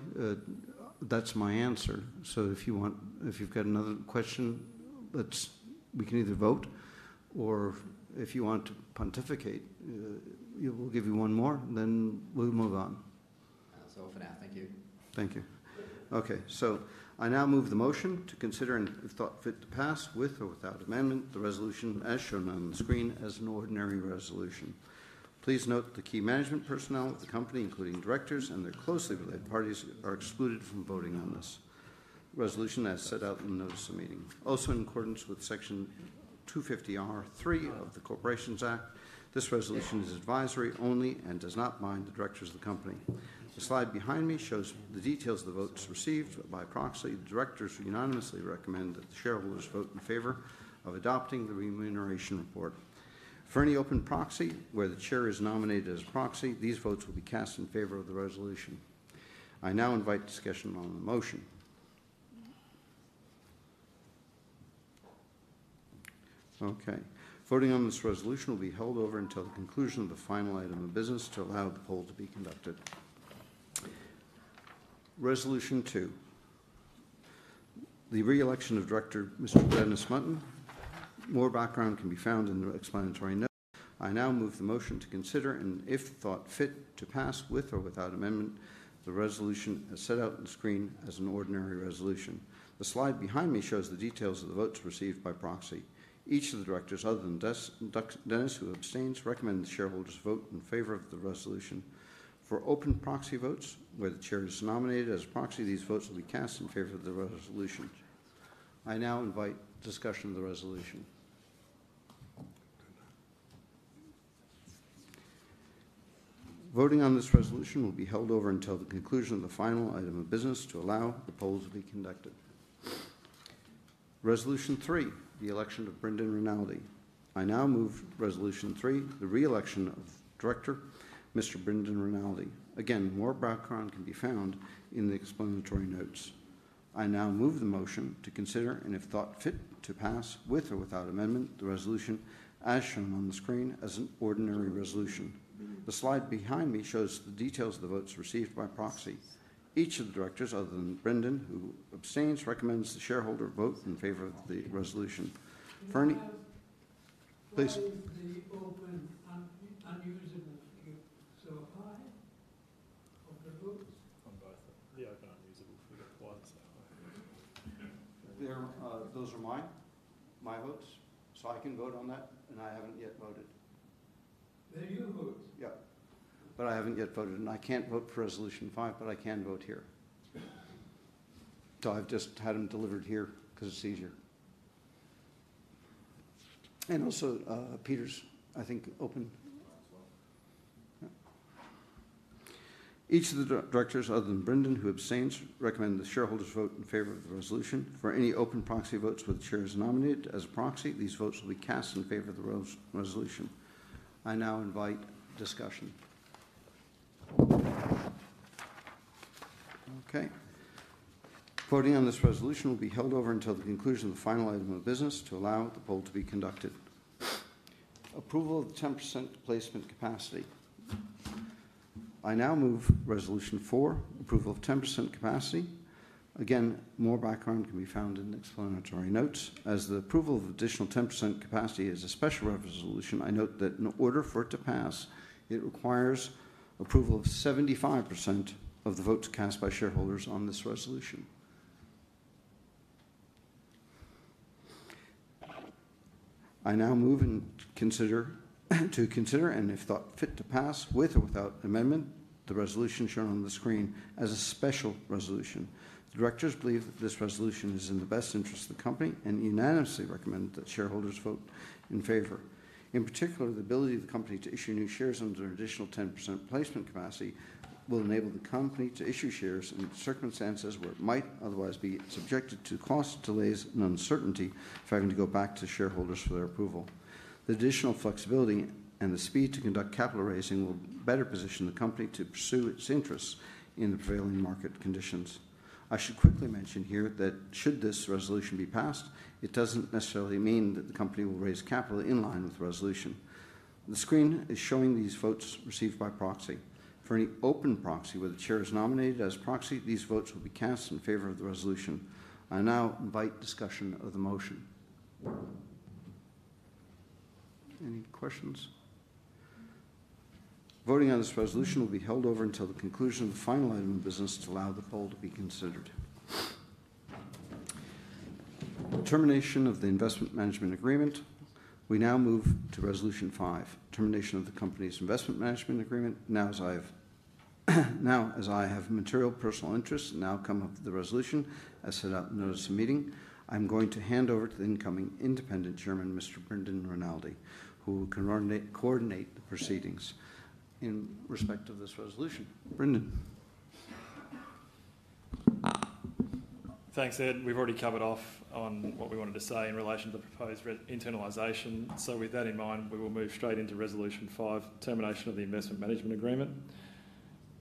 that's my answer. If you've got another question, we can either vote, or if you want to pontificate, we'll give you one more, then we'll move on. That was all for now. Thank you. Thank you. Okay. I now move the motion to consider and if thought fit to pass with or without amendment, the resolution as shown on the screen as an ordinary resolution. Please note the key management personnel of the company, including directors and their closely related parties, are excluded from voting on this resolution as set out in the notice of meeting. Also, in accordance with Section 250(r)(3) of the Corporations Act, this resolution is advisory only and does not bind the directors of the company. The slide behind me shows the details of the votes received by proxy. The directors unanimously recommend that the shareholders vote in favor of adopting the remuneration report. For any open proxy where the chair is nominated as a proxy, these votes will be cast in favor of the resolution. I now invite discussion on the motion. Okay. Voting on this resolution will be held over until the conclusion of the final item of business to allow the poll to be conducted. Resolution 2. The re-election of Director Mr. Dennis Mutton. More background can be found in the explanatory. I now move the motion to consider, and if thought fit to pass with or without amendment, the resolution as set out on the screen as an ordinary resolution. The slide behind me shows the details of the votes received by proxy. Each of the directors, other than Dennis, who abstains, recommends the shareholders vote in favor of the resolution. For open proxy votes, where the chair is nominated as a proxy, these votes will be cast in favor of the resolution. I now invite discussion of the resolution. Voting on this resolution will be held over until the conclusion of the final item of business to allow the polls to be conducted. Resolution 3, the election of Brendan Rinaldi. I now move Resolution 3, the re-election of Director Mr. Brendan Rinaldi. Again, more background can be found in the explanatory notes. I now move the motion to consider, and if thought fit to pass with or without amendment, the resolution as shown on the screen as an ordinary resolution. The slide behind me shows the details of the votes received by proxy. Each of the directors, other than Brendan, who abstains, recommends the shareholder vote in favor of the resolution. Please. Is the open unusable view so high of the votes? On both of them. The open unusable view is one. Those are my votes. I can vote on that, and I have not yet voted. They are your votes? Yeah. I have not yet voted. I cannot vote for Resolution 5, but I can vote here. I have just had them delivered here because it is easier. Also, Peter's, I think, open. Each of the directors, other than Brendan, who abstains, recommends the shareholders vote in favor of the resolution. For any open proxy votes where the Chair is nominated as a proxy, these votes will be cast in favor of the resolution. I now invite discussion. Okay. Voting on this resolution will be held over until the conclusion of the final item of business to allow the poll to be conducted. Approval of the 10% placement capacity. I now move Resolution 4, approval of 10% capacity. Again, more background can be found in the explanatory notes. As the approval of additional 10% capacity is a special resolution, I note that in order for it to pass, it requires approval of 75% of the votes cast by shareholders on this resolution. I now move to consider, and if thought fit to pass with or without amendment, the resolution shown on the screen as a special resolution. Directors believe that this resolution is in the best interest of the company and unanimously recommend that shareholders vote in favor. In particular, the ability of the company to issue new shares under an additional 10% placement capacity will enable the company to issue shares in circumstances where it might otherwise be subjected to cost, delays, and uncertainty for having to go back to shareholders for their approval. The additional flexibility and the speed to conduct capital raising will better position the company to pursue its interests in the prevailing market conditions. I should quickly mention here that should this resolution be passed, it does not necessarily mean that the company will raise capital in line with the resolution. The screen is showing these votes received by proxy. For any open proxy where the Chair is nominated as proxy, these votes will be cast in favor of the resolution. I now invite discussion of the motion. Any questions? Voting on this resolution will be held over until the conclusion of the final item of business to allow the poll to be considered. Termination of the investment management agreement. We now move to Resolution 5, termination of the company's investment management agreement. Now, as I have material personal interests now come up to the resolution as set out in the notice of meeting, I'm going to hand over to the incoming independent Chairman, Mr. Brendan Rinaldi, who will coordinate the proceedings in respect of this resolution. Brendan. Thanks, Ed. We've already covered off on what we wanted to say in relation to the proposed internalization. With that in mind, we will move straight into Resolution 5, termination of the investment management agreement.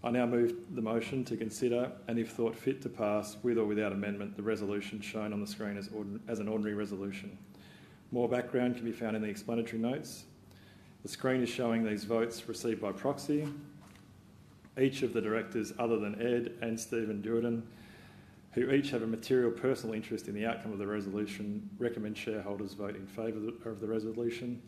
I now move the motion to consider and if thought fit to pass with or without amendment, the resolution shown on the screen as an ordinary resolution. More background can be found in the explanatory notes. The screen is showing these votes received by proxy. Each of the directors, other than Ed and Stephen Jordan, who each have a material personal interest in the outcome of the resolution, recommend shareholders vote in favor of the resolution.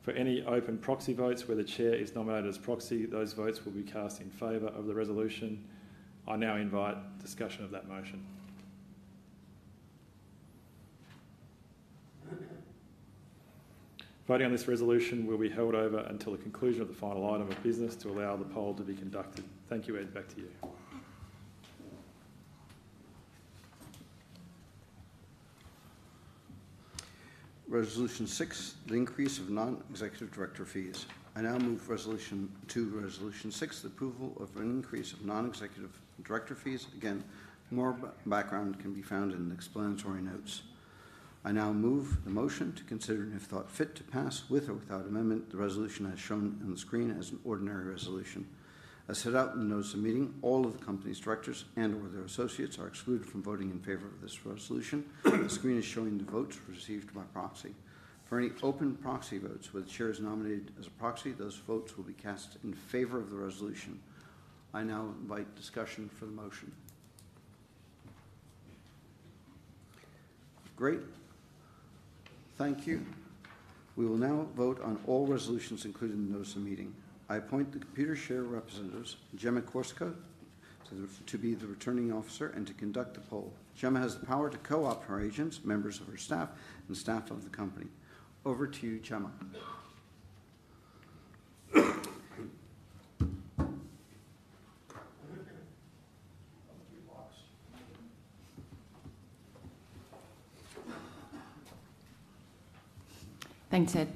For any open proxy votes where the Chair is nominated as proxy, those votes will be cast in favor of the resolution. I now invite discussion of that motion. Voting on this resolution will be held over until the conclusion of the final item of business to allow the poll to be conducted. Thank you, Ed. Back to you. Resolution 6, the increase of non-executive director fees. I now move Resolution 2, Resolution 6, the approval of an increase of non-executive director fees. Again, more background can be found in the explanatory notes. I now move the motion to consider and if thought fit to pass with or without amendment, the resolution as shown on the screen as an ordinary resolution. As set out in the notice of meeting, all of the company's directors and/or their associates are excluded from voting in favor of this resolution. The screen is showing the votes received by proxy. For any open proxy votes where the chair is nominated as a proxy, those votes will be cast in favor of the resolution. I now invite discussion for the motion. Great. Thank you. We will now vote on all resolutions included in the notice of meeting. I appoint the computer chair representatives, [Gemma Corsica], to be the returning officer and to conduct the poll. Gemma has the power to co-opt her agents, members of her staff, and staff of the company. Over to you, [Gemma]. Thanks, Ed.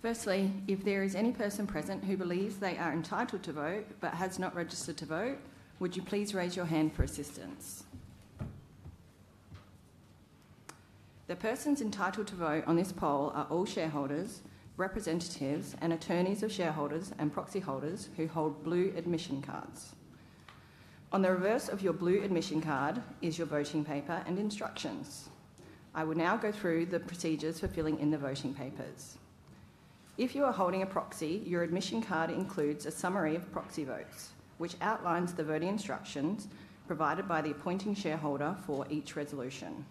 Firstly, if there is any person present who believes they are entitled to vote but has not registered to vote, would you please raise your hand for assistance? The persons entitled to vote on this poll are all shareholders, representatives, and attorneys of shareholders and proxy holders who hold blue admission cards. On the reverse of your blue admission card is your voting paper and instructions. I will now go through the procedures for filling in the voting papers. If you are holding a proxy, your admission card includes a summary of proxy votes, which outlines the voting instructions provided by the appointing shareholder for each resolution.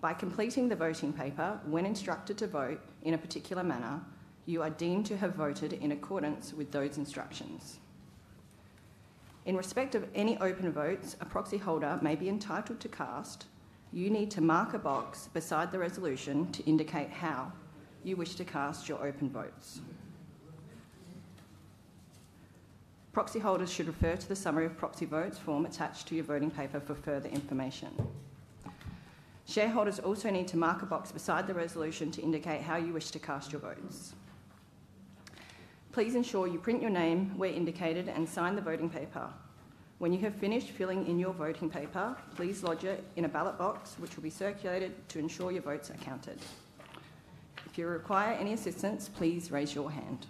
By completing the voting paper when instructed to vote in a particular manner, you are deemed to have voted in accordance with those instructions. In respect of any open votes a proxy holder may be entitled to cast, you need to mark a box beside the resolution to indicate how you wish to cast your open votes. Proxy holders should refer to the summary of proxy votes form attached to your voting paper for further information. Shareholders also need to mark a box beside the resolution to indicate how you wish to cast your votes. Please ensure you print your name where indicated and sign the voting paper. When you have finished filling in your voting paper, please lodge it in a ballot box, which will be circulated to ensure your votes are counted. If you require any assistance, please raise your hand.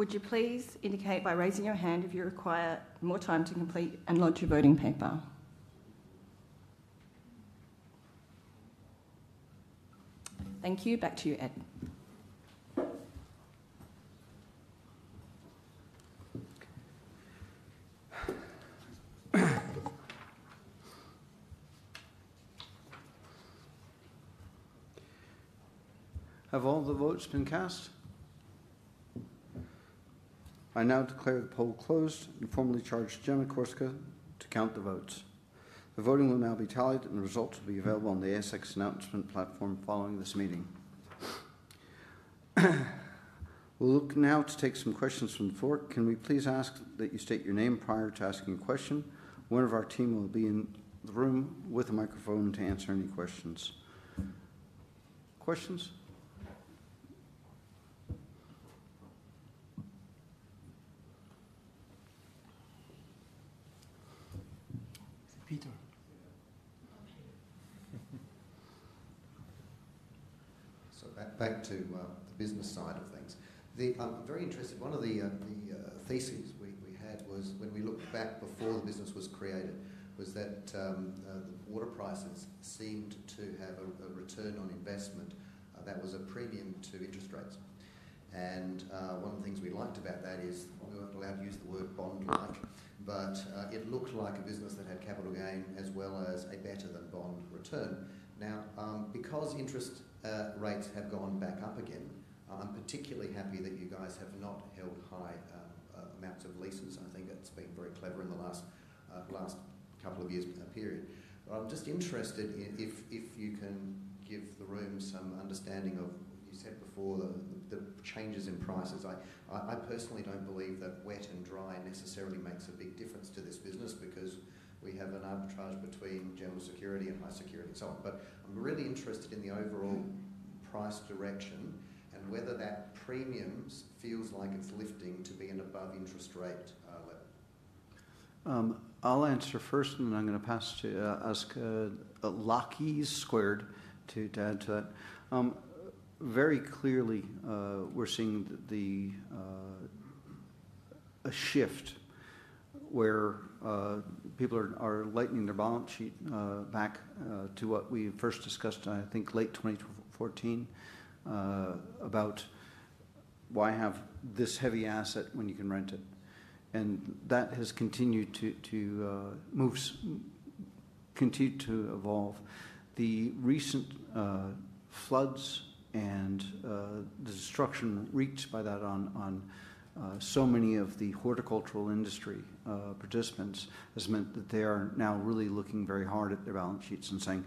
Would you please indicate by raising your hand if you require more time to complete and lodge your voting paper? Thank you. Back to you, Ed. Have all the votes been cast? I now declare the poll closed and formally charge Gemma Corsica to count the votes. The voting will now be tallied, and the results will be available on the ASX announcement platform following this meeting. We'll look now to take some questions from the floor. Can we please ask that you state your name prior to asking a question? One of our team will be in the room with a microphone to answer any questions. Questions? Peter. Back to the business side of things. I'm very interested. One of the theses we had was when we looked back before the business was created, was that the water prices seemed to have a return on investment that was a premium to interest rates. One of the things we liked about that is we were not allowed to use the word bond large, but it looked like a business that had capital gain as well as a better than bond return. Now, because interest rates have gone back up again, I am particularly happy that you guys have not held high amounts of leases. I think it has been very clever in the last couple of years period. I am just interested if you can give the room some understanding of, you said before, the changes in prices. I personally do not believe that wet and dry necessarily makes a big difference to this business because we have an arbitrage between general security and high security and so on. I am really interested in the overall price direction and whether that premium feels like it is lifting to be an above interest rate level. I will answer first, and then I am going to ask Lockie squared to add to that. Very clearly, we are seeing a shift where people are lightening their balance sheet back to what we first discussed, I think, late 2014, about why have this heavy asset when you can rent it. That has continued to evolve. The recent floods and the destruction wreaked by that on so many of the horticultural industry participants has meant that they are now really looking very hard at their balance sheets and saying,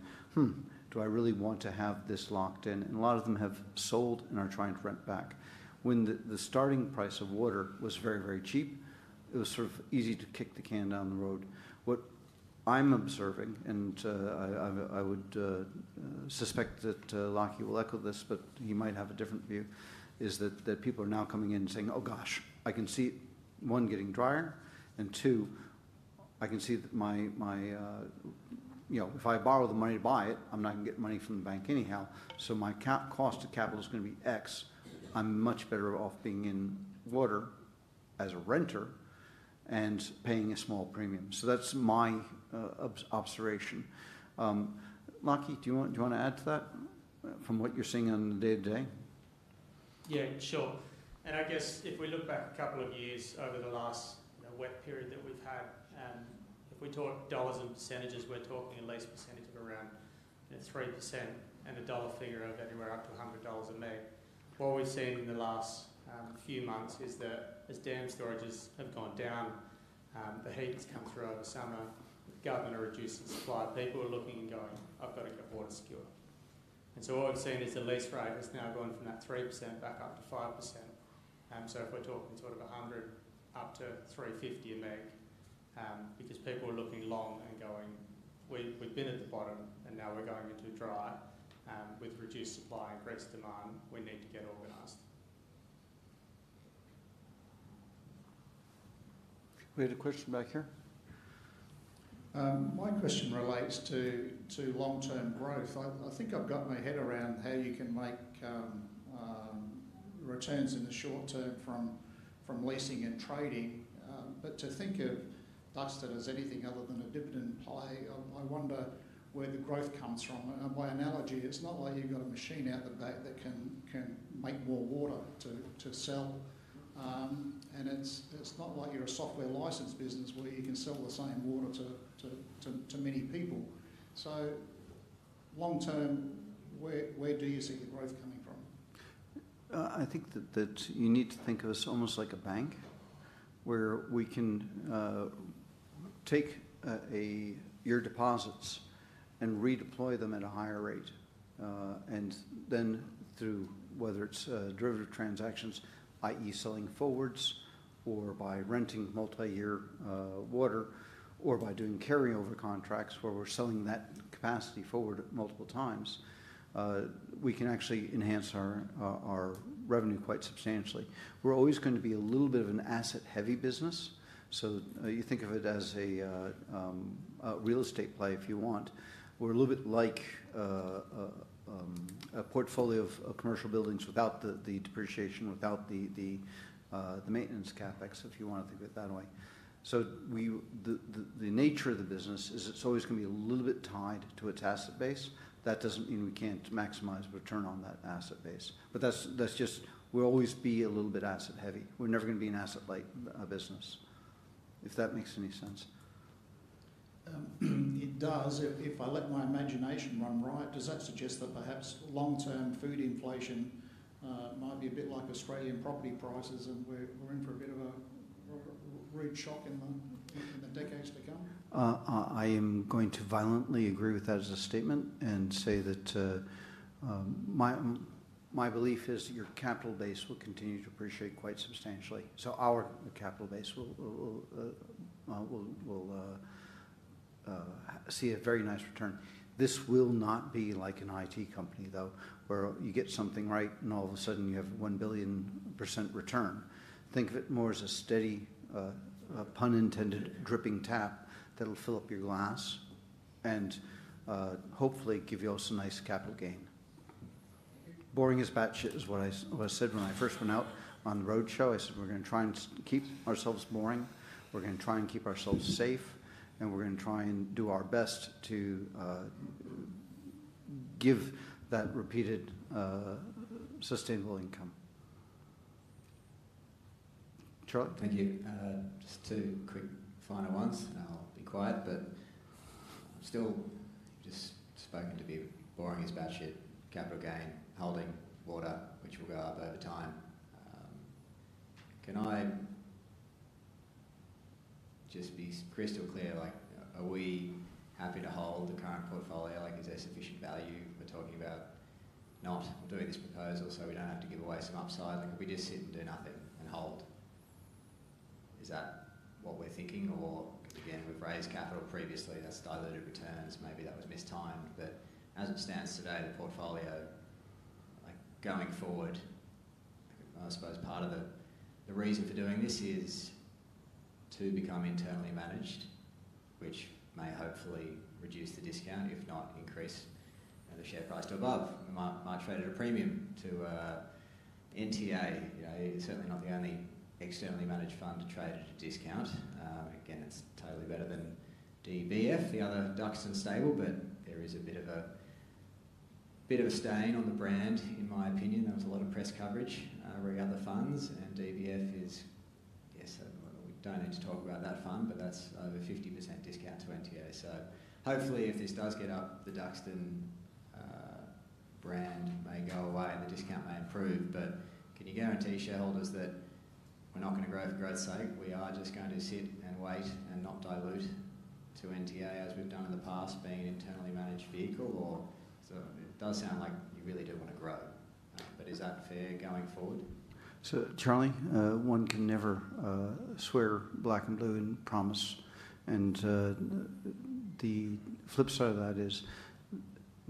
do I really want to have this locked in? A lot of them have sold and are trying to rent back. When the starting price of water was very, very cheap, it was sort of easy to kick the can down the road. What I am observing, and I would suspect that Lockie will echo this, but he might have a different view, is that people are now coming in and saying, "Oh gosh, I can see one, getting drier, and two, I can see that if I borrow the money to buy it, I am not going to get money from the bank anyhow, so my cost of capital is going to be X. I'm much better off being in water as a renter and paying a small premium." So that's my observation. Lockie, do you want to add to that from what you're seeing on the day-to-day? Yeah, sure. And I guess if we look back a couple of years over the last wet period that we've had, if we talk dollars and percentages, we're talking at least % of around 3% and a dollar figure of anywhere up to 100 dollars a meter. What we've seen in the last few months is that as dam storages have gone down, the heat has come through over summer, the government are reducing supply, people are looking and going, "I've got to get water secure." And so what we've seen is the lease rate has now gone from that 3% back up to 5%. If we're talking sort of 100 up to 350 a meter, because people are looking long and going, "We've been at the bottom and now we're going into dry with reduced supply, increased demand, we need to get organized." We had a question back here. My question relates to long-term growth. I think I've got my head around how you can make returns in the short term from leasing and trading. To think of Duxton as anything other than a dividend pie, I wonder where the growth comes from. By analogy, it's not like you've got a machine out the back that can make more water to sell. It's not like you're a software license business where you can sell the same water to many people. Long-term, where do you see the growth coming from? I think that you need to think of us almost like a bank where we can take your deposits and redeploy them at a higher rate. And then through whether it's derivative transactions, i.e., selling forwards or by renting multi-year water or by doing carryover contracts where we're selling that capacity forward multiple times, we can actually enhance our revenue quite substantially. We're always going to be a little bit of an asset-heavy business. You think of it as a real estate play if you want. We're a little bit like a portfolio of commercial buildings without the depreciation, without the maintenance CapEx, if you want to think of it that way. The nature of the business is it's always going to be a little bit tied to its asset base. That doesn't mean we can't maximize return on that asset base. That is just we will always be a little bit asset-heavy. We are never going to be an asset-light business, if that makes any sense. It does. If I let my imagination run right, does that suggest that perhaps long-term food inflation might be a bit like Australian property prices and we are in for a bit of a rude shock in the decades to come? I am going to violently agree with that as a statement and say that my belief is that your capital base will continue to appreciate quite substantially. So our capital base will see a very nice return. This will not be like an IT company, though, where you get something right and all of a sudden you have a 1 billion % return. Think of it more as a steady, pun intended, dripping tap that will fill up your glass and hopefully give you also nice capital gain. Boring as bat shit is what I said when I first went out on the roadshow. I said, "We're going to try and keep ourselves boring. We're going to try and keep ourselves safe, and we're going to try and do our best to give that repeated sustainable income." Charlie? Thank you. Just two quick final ones. I'll be quiet, but I've still just spoken to be boring as bat shit, capital gain, holding water, which will go up over time. Can I just be crystal clear? Are we happy to hold the current portfolio? Is there sufficient value? We're talking about not doing this proposal so we don't have to give away some upside. Could we just sit and do nothing and hold? Is that what we're thinking? Or again, we've raised capital previously. That's diluted returns. Maybe that was mistimed. As it stands today, the portfolio going forward, I suppose part of the reason for doing this is to become internally managed, which may hopefully reduce the discount, if not increase the share price to above. We might trade at a premium to NTA. Certainly not the only externally managed fund to trade at a discount. Again, it's totally better than DBF, the other Duxton stable, but there is a bit of a stain on the brand, in my opinion. There was a lot of press coverage where the other funds and DBF is, yes, we don't need to talk about that fund, but that's over 50% discount to NTA. Hopefully, if this does get up, the Duxton brand may go away. The discount may improve, but can you guarantee shareholders that we're not going to grow for growth's sake? We are just going to sit and wait and not dilute to NTA as we've done in the past, being an internally managed vehicle? Or it does sound like you really do want to grow. Is that fair going forward? Charlie, one can never swear black and blue and promise. The flip side of that is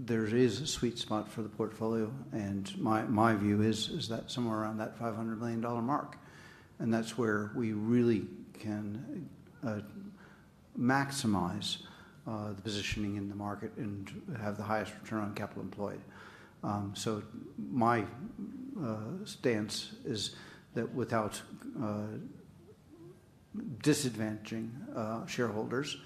there is a sweet spot for the portfolio, and my view is that somewhere around that 500 million dollar mark. That is where we really can maximize the positioning in the market and have the highest return on capital employed. My stance is that without disadvantaging shareholders,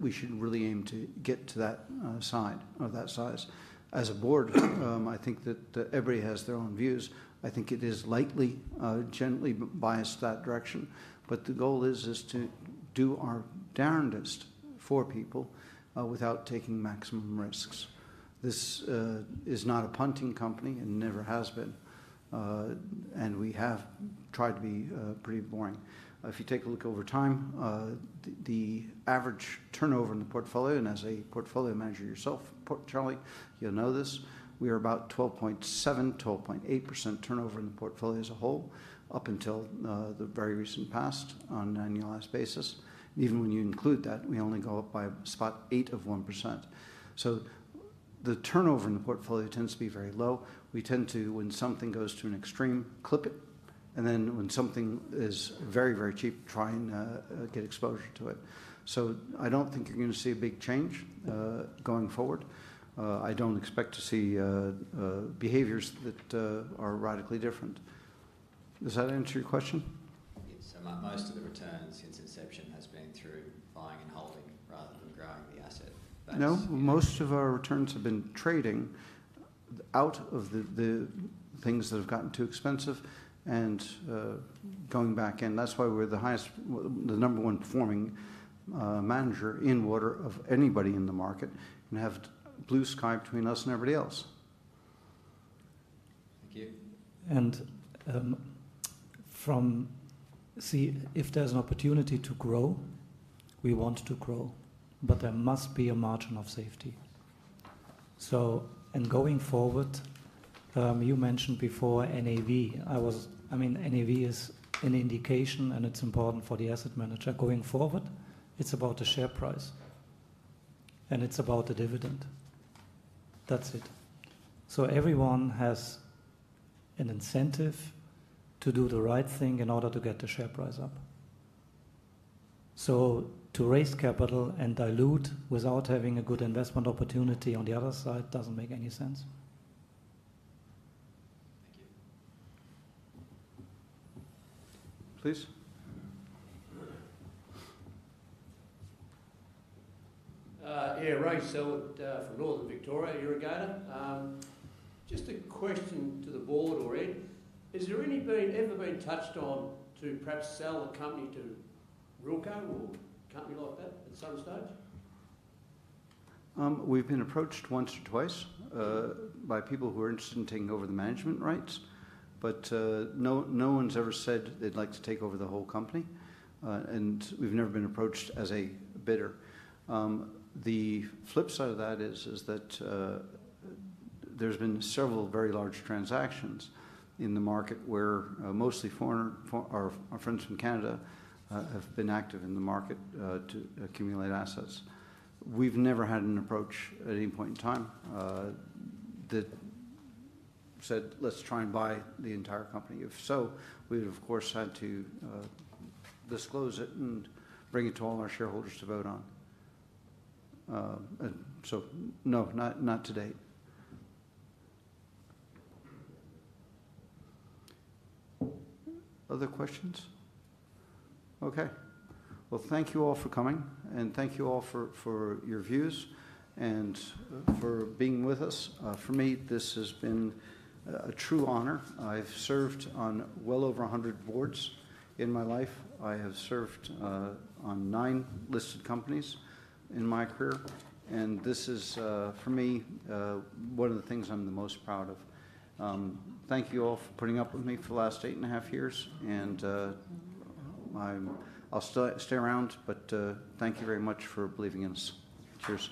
we should really aim to get to that size. As a board, I think that everybody has their own views. I think it is likely generally biased to that direction. The goal is to do our darndest for people without taking maximum risks. This is not a punting company and never has been. We have tried to be pretty boring. If you take a look over time, the average turnover in the portfolio, and as a portfolio manager yourself, Charlie, you'll know this, we are about 12.7%-12.8% turnover in the portfolio as a whole up until the very recent past on an annual asset basis. Even when you include that, we only go up by 0.8 of 1%. The turnover in the portfolio tends to be very low. We tend to, when something goes to an extreme, clip it, and then when something is very, very cheap, try and get exposure to it. I don't think you're going to see a big change going forward. I don't expect to see behaviors that are radically different. Does that answer your question? Yes. Most of the return since inception has been through buying and holding rather than growing the asset. No. Most of our returns have been trading out of the things that have gotten too expensive and going back in. That's why we're the number one performing manager in water of anybody in the market and have blue sky between us and everybody else. Thank you. If there's an opportunity to grow, we want to grow, but there must be a margin of safety. Going forward, you mentioned before NAV. I mean, NAV is an indication, and it's important for the asset manager. Going forward, it's about the share price, and it's about the dividend. That's it. Everyone has an incentive to do the right thing in order to get the share price up. To raise capital and dilute without having a good investment opportunity on the other side does not make any sense. Thank you. Please. Yeah, Ray, from Northern Victoria, you are a gainer. Just a question to the board or Ed. Has there ever been touched on to perhaps sell the company to Rivco or a company like that at some stage? We have been approached once or twice by people who are interested in taking over the management rights, but no one has ever said they would like to take over the whole company. We have never been approached as a bidder. The flip side of that is that there have been several very large transactions in the market where mostly our friends from Canada have been active in the market to accumulate assets. We've never had an approach at any point in time that said, "Let's try and buy the entire company." If so, we would, of course, have to disclose it and bring it to all our shareholders to vote on. No, not today. Other questions? Okay. Thank you all for coming, and thank you all for your views and for being with us. For me, this has been a true honor. I've served on well over 100 boards in my life. I have served on nine listed companies in my career. This is, for me, one of the things I'm the most proud of. Thank you all for putting up with me for the last eight and a half years. I'll stay around, but thank you very much for believing in us. Cheers.